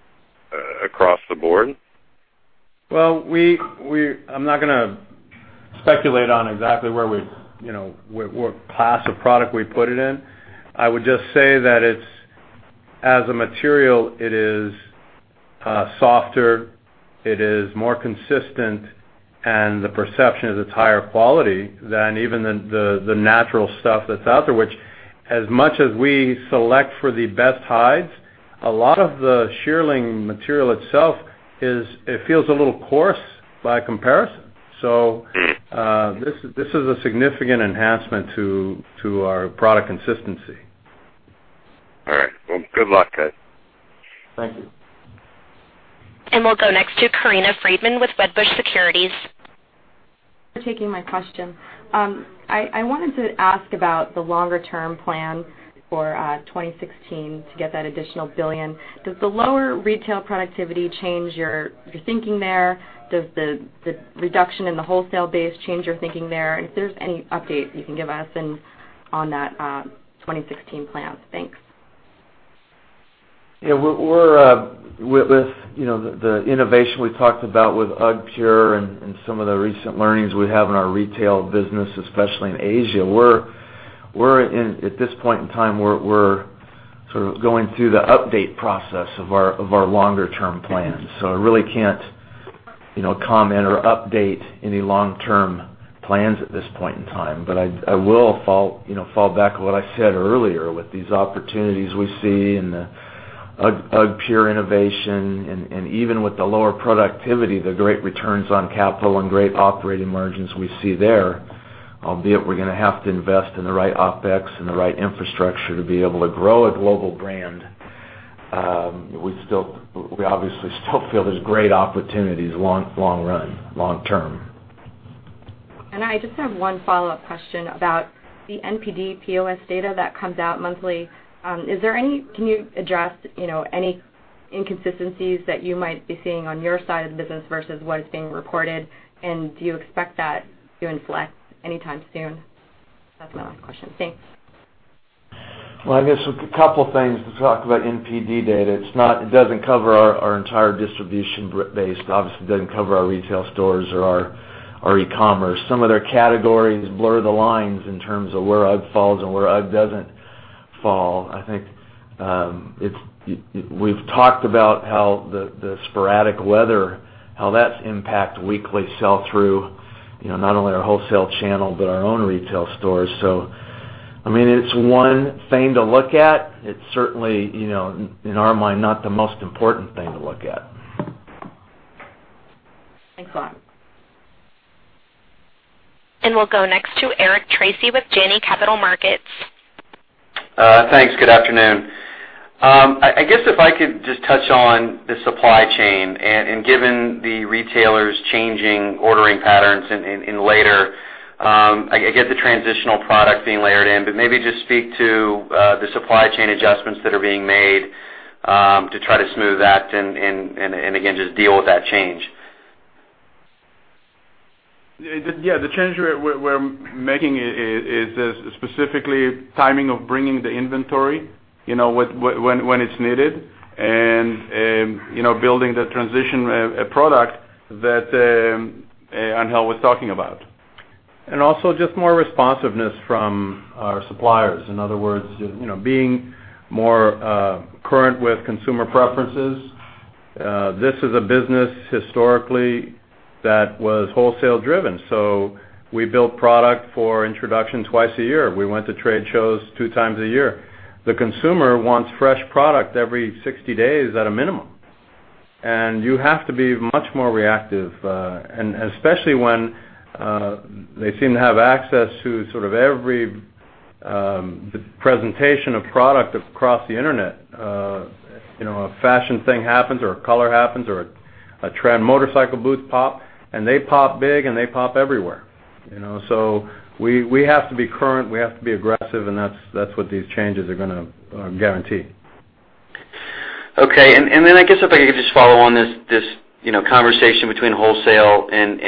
across the board? I'm not going to speculate on exactly what class of product we put it in. I would just say that as a material, it is softer, it is more consistent, and the perception is it's higher quality than even the natural stuff that's out there. Which as much as we select for the best hides, a lot of the shearling material itself, it feels a little coarse by comparison. This is a significant enhancement to our product consistency. All right. Good luck, guys. Thank you. We'll go next to Corinna Freedman with Wedbush Securities. For taking my question. I wanted to ask about the longer-term plan for 2016 to get that additional $1 billion. Does the lower retail productivity change your thinking there? Does the reduction in the wholesale base change your thinking there? If there's any update you can give us on that 2016 plan. Thanks. Yeah. With the innovation we talked about with UGGpure and some of the recent learnings we have in our retail business, especially in Asia, at this point in time, we're sort of going through the update process of our longer-term plans. I really can't comment or update any long-term plans at this point in time. I will fall back on what I said earlier with these opportunities we see and the UGGpure innovation and even with the lower productivity, the great returns on capital and great operating margins we see there, albeit we're going to have to invest in the right OPEX and the right infrastructure to be able to grow a global brand. We obviously still feel there's great opportunities long run, long term. I just have one follow-up question about the NPD POS data that comes out monthly. Can you address any inconsistencies that you might be seeing on your side of the business versus what is being recorded, and do you expect that to inflect anytime soon? That's my last question. Thanks. Well, I guess a couple things to talk about NPD data. It doesn't cover our entire distribution base. It obviously doesn't cover our retail stores or our e-commerce. Some of their categories blur the lines in terms of where UGG falls and where UGG doesn't fall. I think, we've talked about how the sporadic weather, how that's impacted weekly sell-through, not only our wholesale channel, but our own retail stores. It's one thing to look at. It's certainly, in our mind, not the most important thing to look at. Thanks a lot. We'll go next to Eric Tracy with Janney Montgomery Scott. Thanks. Good afternoon. I guess if I could just touch on the supply chain and given the retailers changing ordering patterns in later, I get the transitional product being layered in, but maybe just speak to the supply chain adjustments that are being made to try to smooth that and again, just deal with that change. The change we're making is specifically timing of bringing the inventory when it's needed and building the transition product that Angel was talking about. Also just more responsiveness from our suppliers. In other words, being more current with consumer preferences. This is a business historically that was wholesale driven. We built product for introduction twice a year. We went to trade shows two times a year. The consumer wants fresh product every 60 days at a minimum, and you have to be much more reactive, especially when they seem to have access to sort of every presentation of product across the internet. A fashion thing happens or a color happens or a trend motorcycle boot pop, and they pop big, and they pop everywhere. We have to be current, we have to be aggressive, and that's what these changes are going to guarantee. I guess if I could just follow on this conversation between wholesale and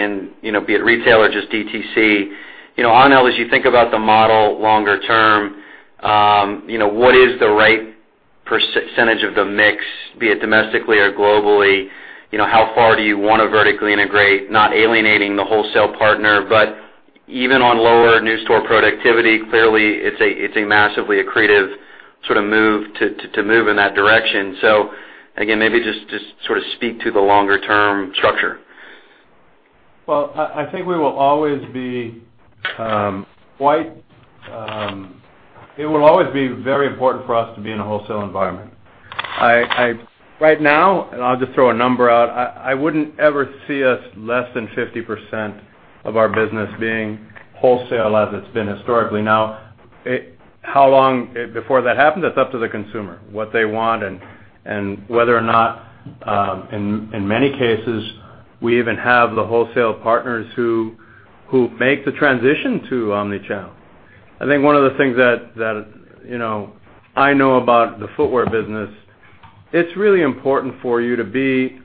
be it retail or just DTC. Angel, as you think about the model longer term, what is the right percentage of the mix, be it domestically or globally? How far do you want to vertically integrate, not alienating the wholesale partner, but even on lower new store productivity, clearly, it's a massively accretive sort of move to move in that direction. Again, maybe just sort of speak to the longer term structure. I think it will always be very important for us to be in a wholesale environment. Right now, and I'll just throw a number out, I wouldn't ever see us less than 50% of our business being wholesale as it's been historically. How long before that happens? That's up to the consumer, what they want, and whether or not, in many cases, we even have the wholesale partners who make the transition to omnichannel. I think one of the things that I know about the footwear business, it's really important for you to be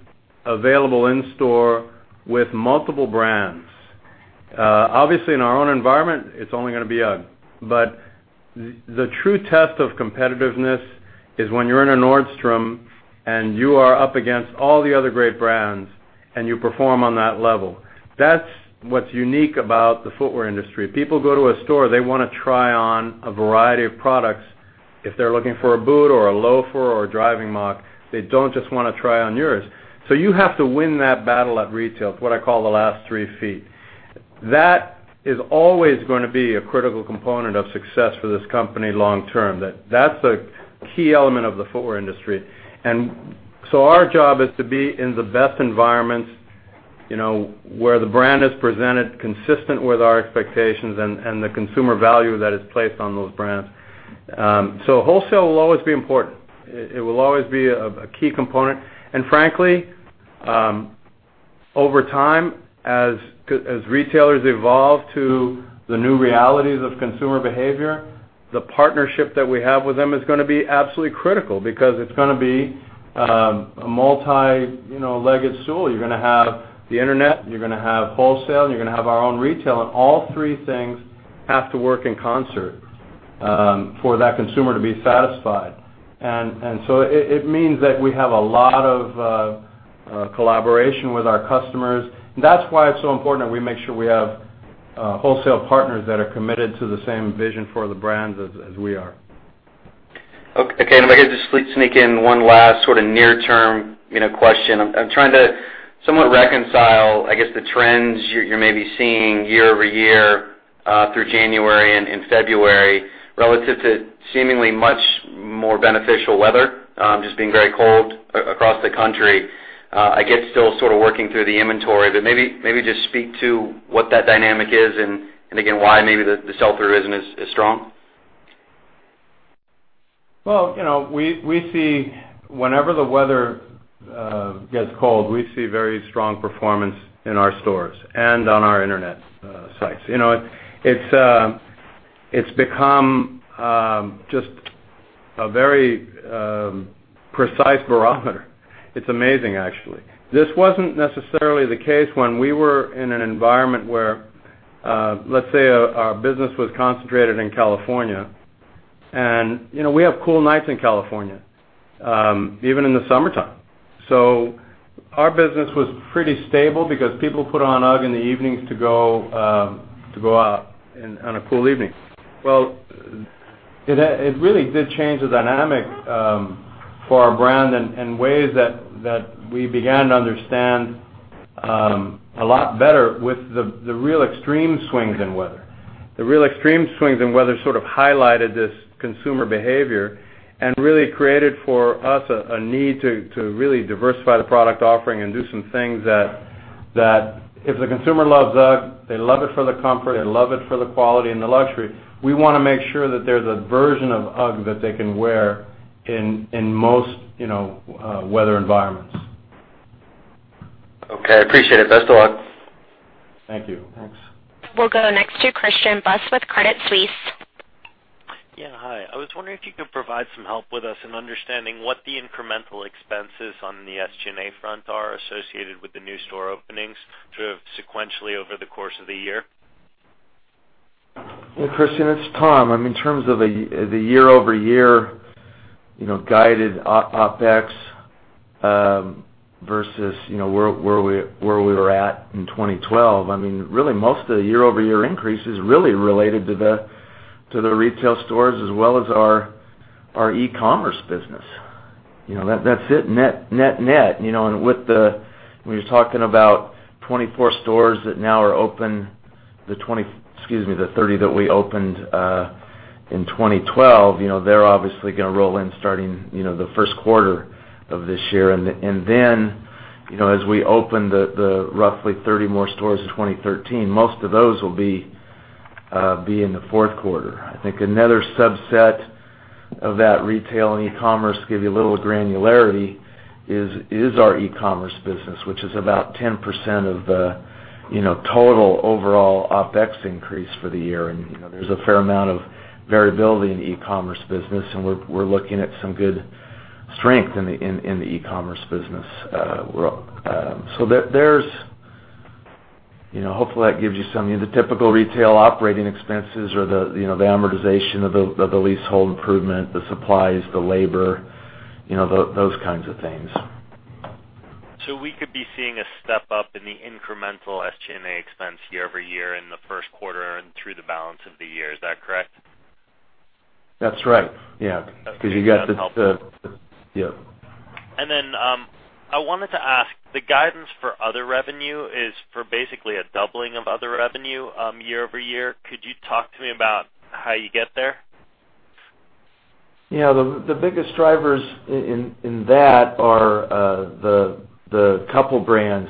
available in-store with multiple brands. Obviously, in our own environment, it's only going to be UGG. The true test of competitiveness is when you're in a Nordstrom and you are up against all the other great brands and you perform on that level. That's what's unique about the footwear industry. People go to a store, they want to try on a variety of products. If they're looking for a boot or a loafer or a driving moc, they don't just want to try on yours. You have to win that battle at retail, it's what I call the last three feet. That is always going to be a critical component of success for this company long term. That's a key element of the footwear industry. Our job is to be in the best environments, where the brand is presented consistent with our expectations and the consumer value that is placed on those brands. Wholesale will always be important. It will always be a key component. Frankly, over time, as retailers evolve to the new realities of consumer behavior, the partnership that we have with them is going to be absolutely critical because it's going to be a multi-legged stool. You're going to have the internet, you're going to have wholesale, and you're going to have our own retail, and all three things have to work in concert for that consumer to be satisfied. It means that we have a lot of collaboration with our customers. That's why it's so important that we make sure we have wholesale partners that are committed to the same vision for the brands as we are. Okay. If I could just sneak in one last sort of near-term question. I'm trying to somewhat reconcile, I guess, the trends you're maybe seeing year-over-year through January and February relative to seemingly much more beneficial weather, just being very cold across the country. I guess still sort of working through the inventory, but maybe just speak to what that dynamic is and again, why maybe the sell-through isn't as strong. Well, whenever the weather gets cold, we see very strong performance in our stores and on our internet sites. It's become just a very precise barometer. It's amazing, actually. This wasn't necessarily the case when we were in an environment where, let's say our business was concentrated in California, and we have cool nights in California, even in the summertime. Our business was pretty stable because people put on UGG in the evenings to go out on a cool evening. Well, it really did change the dynamic for our brand in ways that we began to understand a lot better with the real extreme swings in weather. The real extreme swings in weather sort of highlighted this consumer behavior and really created for us a need to really diversify the product offering and do some things that if the consumer loves UGG, they love it for the comfort, they love it for the quality and the luxury. We want to make sure that there's a version of UGG that they can wear in most weather environments. Okay, appreciate it. Best of luck. Thank you. Thanks. We'll go next to Christian Buss with Credit Suisse. Yeah, hi. I was wondering if you could provide some help with us in understanding what the incremental expenses on the SG&A front are associated with the new store openings sort of sequentially over the course of the year. Well, Christian, it's Tom. In terms of the year-over-year guided OpEx versus where we were at in 2012, really most of the year-over-year increase is really related to the retail stores as well as our e-commerce business. That's it, net. When you're talking about 24 stores that now are open, excuse me, the 30 that we opened in 2012, they're obviously going to roll in starting the first quarter of this year. As we open the roughly 30 more stores in 2013, most of those will be in the fourth quarter. I think another subset of that retail and e-commerce, give you a little granularity, is our e-commerce business, which is about 10% of the total overall OpEx increase for the year. There's a fair amount of variability in the e-commerce business, and we're looking at some good strength in the e-commerce business. Hopefully, that gives you some, the typical retail operating expenses or the amortization of the leasehold improvement, the supplies, the labor, those kinds of things. We could be seeing a step up in the incremental SG&A expense year-over-year in the first quarter and through the balance of the year. Is that correct? That's right. Yeah. Okay. That's helpful. Yeah. I wanted to ask, the guidance for other revenue is for basically a doubling of other revenue year-over-year. Could you talk to me about how you get there? Yeah. The biggest drivers in that are the couple brands,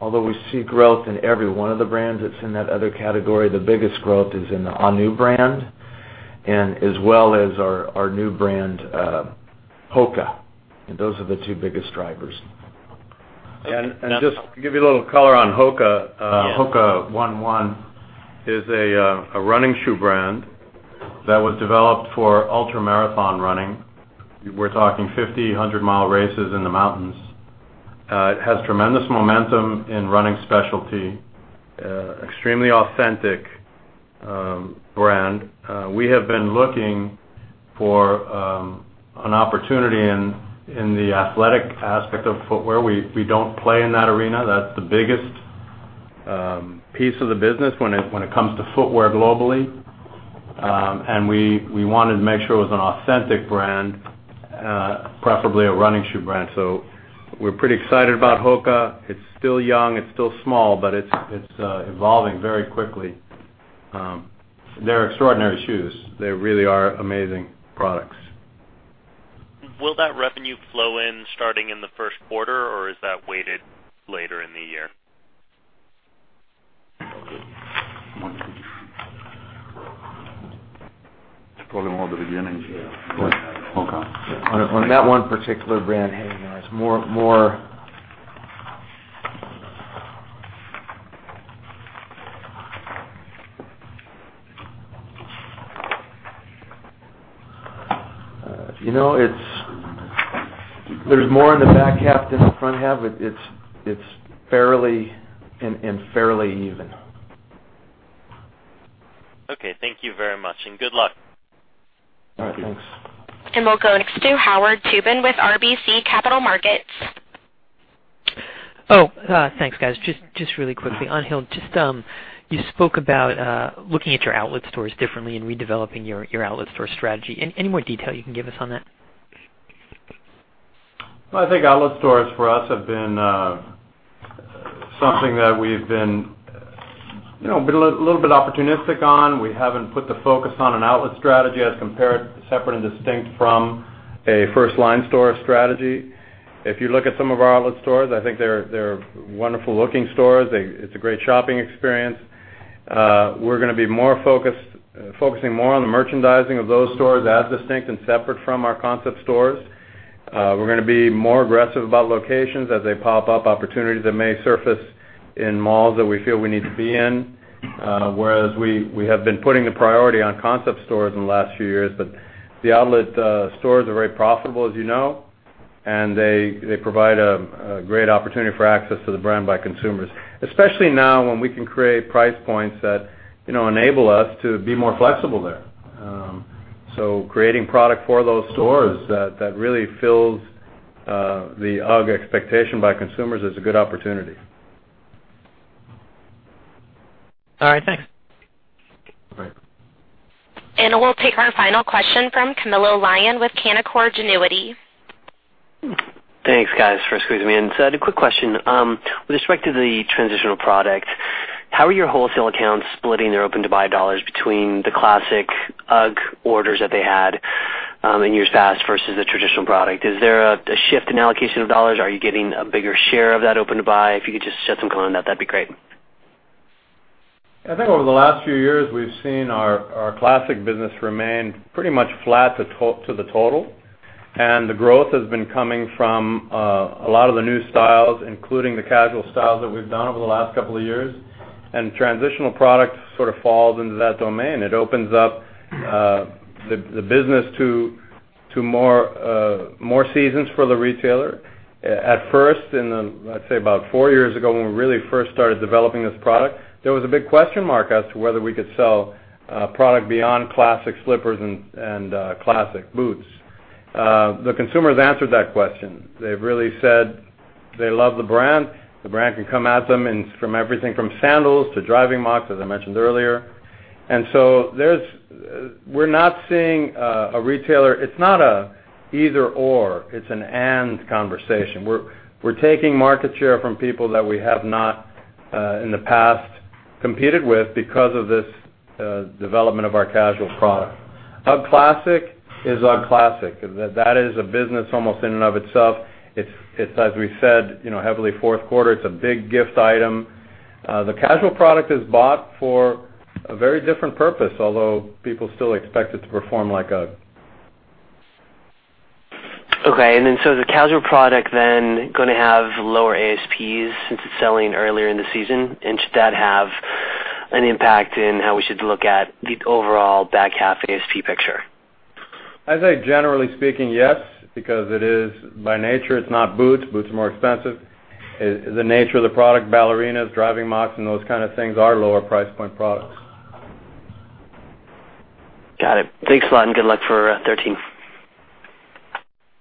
although we see growth in every one of the brands that's in that other category, the biggest growth is in the Ahnu brand, as well as our new brand, HOKA. Those are the two biggest drivers. Yeah. Just to give you a little color on HOKA. Yeah. HOKA One One is a running shoe brand that was developed for ultra-marathon running. We're talking 50, 100 mile races in the mountains. It has tremendous momentum in running specialty, extremely authentic brand. We have been looking for an opportunity in the athletic aspect of footwear. We don't play in that arena. That's the biggest piece of the business when it comes to footwear globally. We wanted to make sure it was an authentic brand, preferably a running shoe brand. We're pretty excited about HOKA. It's still young, it's still small, but it's evolving very quickly. They're extraordinary shoes. They really are amazing products. Will that revenue flow in starting in the first quarter, or is that weighted later in the year? On that one particular brand, there's more in the back half than the front half. It's fairly and fairly even. Okay. Thank you very much, and good luck. All right. Thanks. We'll go next to Howard Tubin with RBC Capital Markets. Thanks guys. Just really quickly. Angel, you spoke about looking at your outlet stores differently and redeveloping your outlet store strategy. Any more detail you can give us on that? I think outlet stores for us have been something that we've been a little bit opportunistic on. We haven't put the focus on an outlet strategy as compared, separate and distinct from a first line store strategy. If you look at some of our outlet stores, I think they're wonderful looking stores. It's a great shopping experience. We're going to be focusing more on the merchandising of those stores as distinct and separate from our concept stores. We're going to be more aggressive about locations as they pop up, opportunities that may surface in malls that we feel we need to be in. We have been putting the priority on concept stores in the last few years, but the outlet stores are very profitable, as you know, and they provide a great opportunity for access to the brand by consumers, especially now when we can create price points that enable us to be more flexible there. Creating product for those stores that really fills the UGG expectation by consumers is a good opportunity. All right. Thanks. All right. We'll take our final question from Camilo Lyon with Canaccord Genuity. Thanks, guys, for squeezing me in. I had a quick question. With respect to the transitional product, how are your wholesale accounts splitting their open-to-buy dollars between the classic UGG orders that they had in years past versus the traditional product? Is there a shift in allocation of dollars? Are you getting a bigger share of that open-to-buy? If you could just shed some color on that'd be great. I think over the last few years, we've seen our classic business remain pretty much flat to the total. The growth has been coming from a lot of the new styles, including the casual styles that we've done over the last couple of years, and transitional product sort of falls into that domain. It opens up the business to more seasons for the retailer. At first, in, let's say, about 4 years ago, when we really first started developing this product, there was a big question mark as to whether we could sell product beyond classic slippers and classic boots. The consumers answered that question. They've really said they love the brand. The brand can come at them from everything from sandals to driving mocs, as I mentioned earlier. We're not seeing a retailer. It's not an either/or, it's an and conversation. We're taking market share from people that we have not, in the past, competed with because of this development of our casual product. UGG Classic is UGG Classic. That is a business almost in and of itself. It's, as we said, heavily fourth quarter. It's a big gift item. The casual product is bought for a very different purpose, although people still expect it to perform like UGG. Okay. The casual product then going to have lower ASPs since it's selling earlier in the season. Should that have an impact in how we should look at the overall back half ASP picture? I'd say, generally speaking, yes, because it is, by nature, it's not boots. Boots are more expensive. The nature of the product, ballerinas, driving mocs, and those kind of things are lower price point products. Got it. Thanks a lot. Good luck for 2013.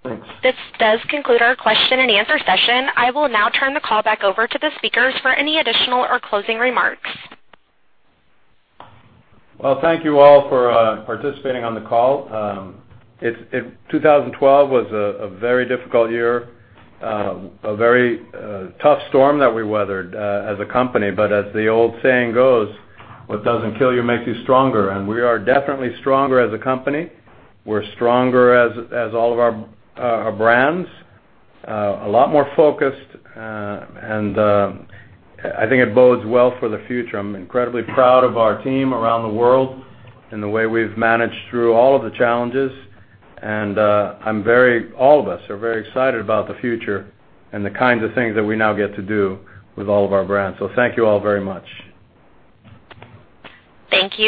Thanks. This does conclude our question and answer session. I will now turn the call back over to the speakers for any additional or closing remarks. Well, thank you all for participating on the call. 2012 was a very difficult year, a very tough storm that we weathered as a company. As the old saying goes, "What doesn't kill you makes you stronger," and we are definitely stronger as a company. We're stronger as all of our brands. A lot more focused, and I think it bodes well for the future. I'm incredibly proud of our team around the world and the way we've managed through all of the challenges. All of us are very excited about the future and the kinds of things that we now get to do with all of our brands. Thank you all very much. Thank you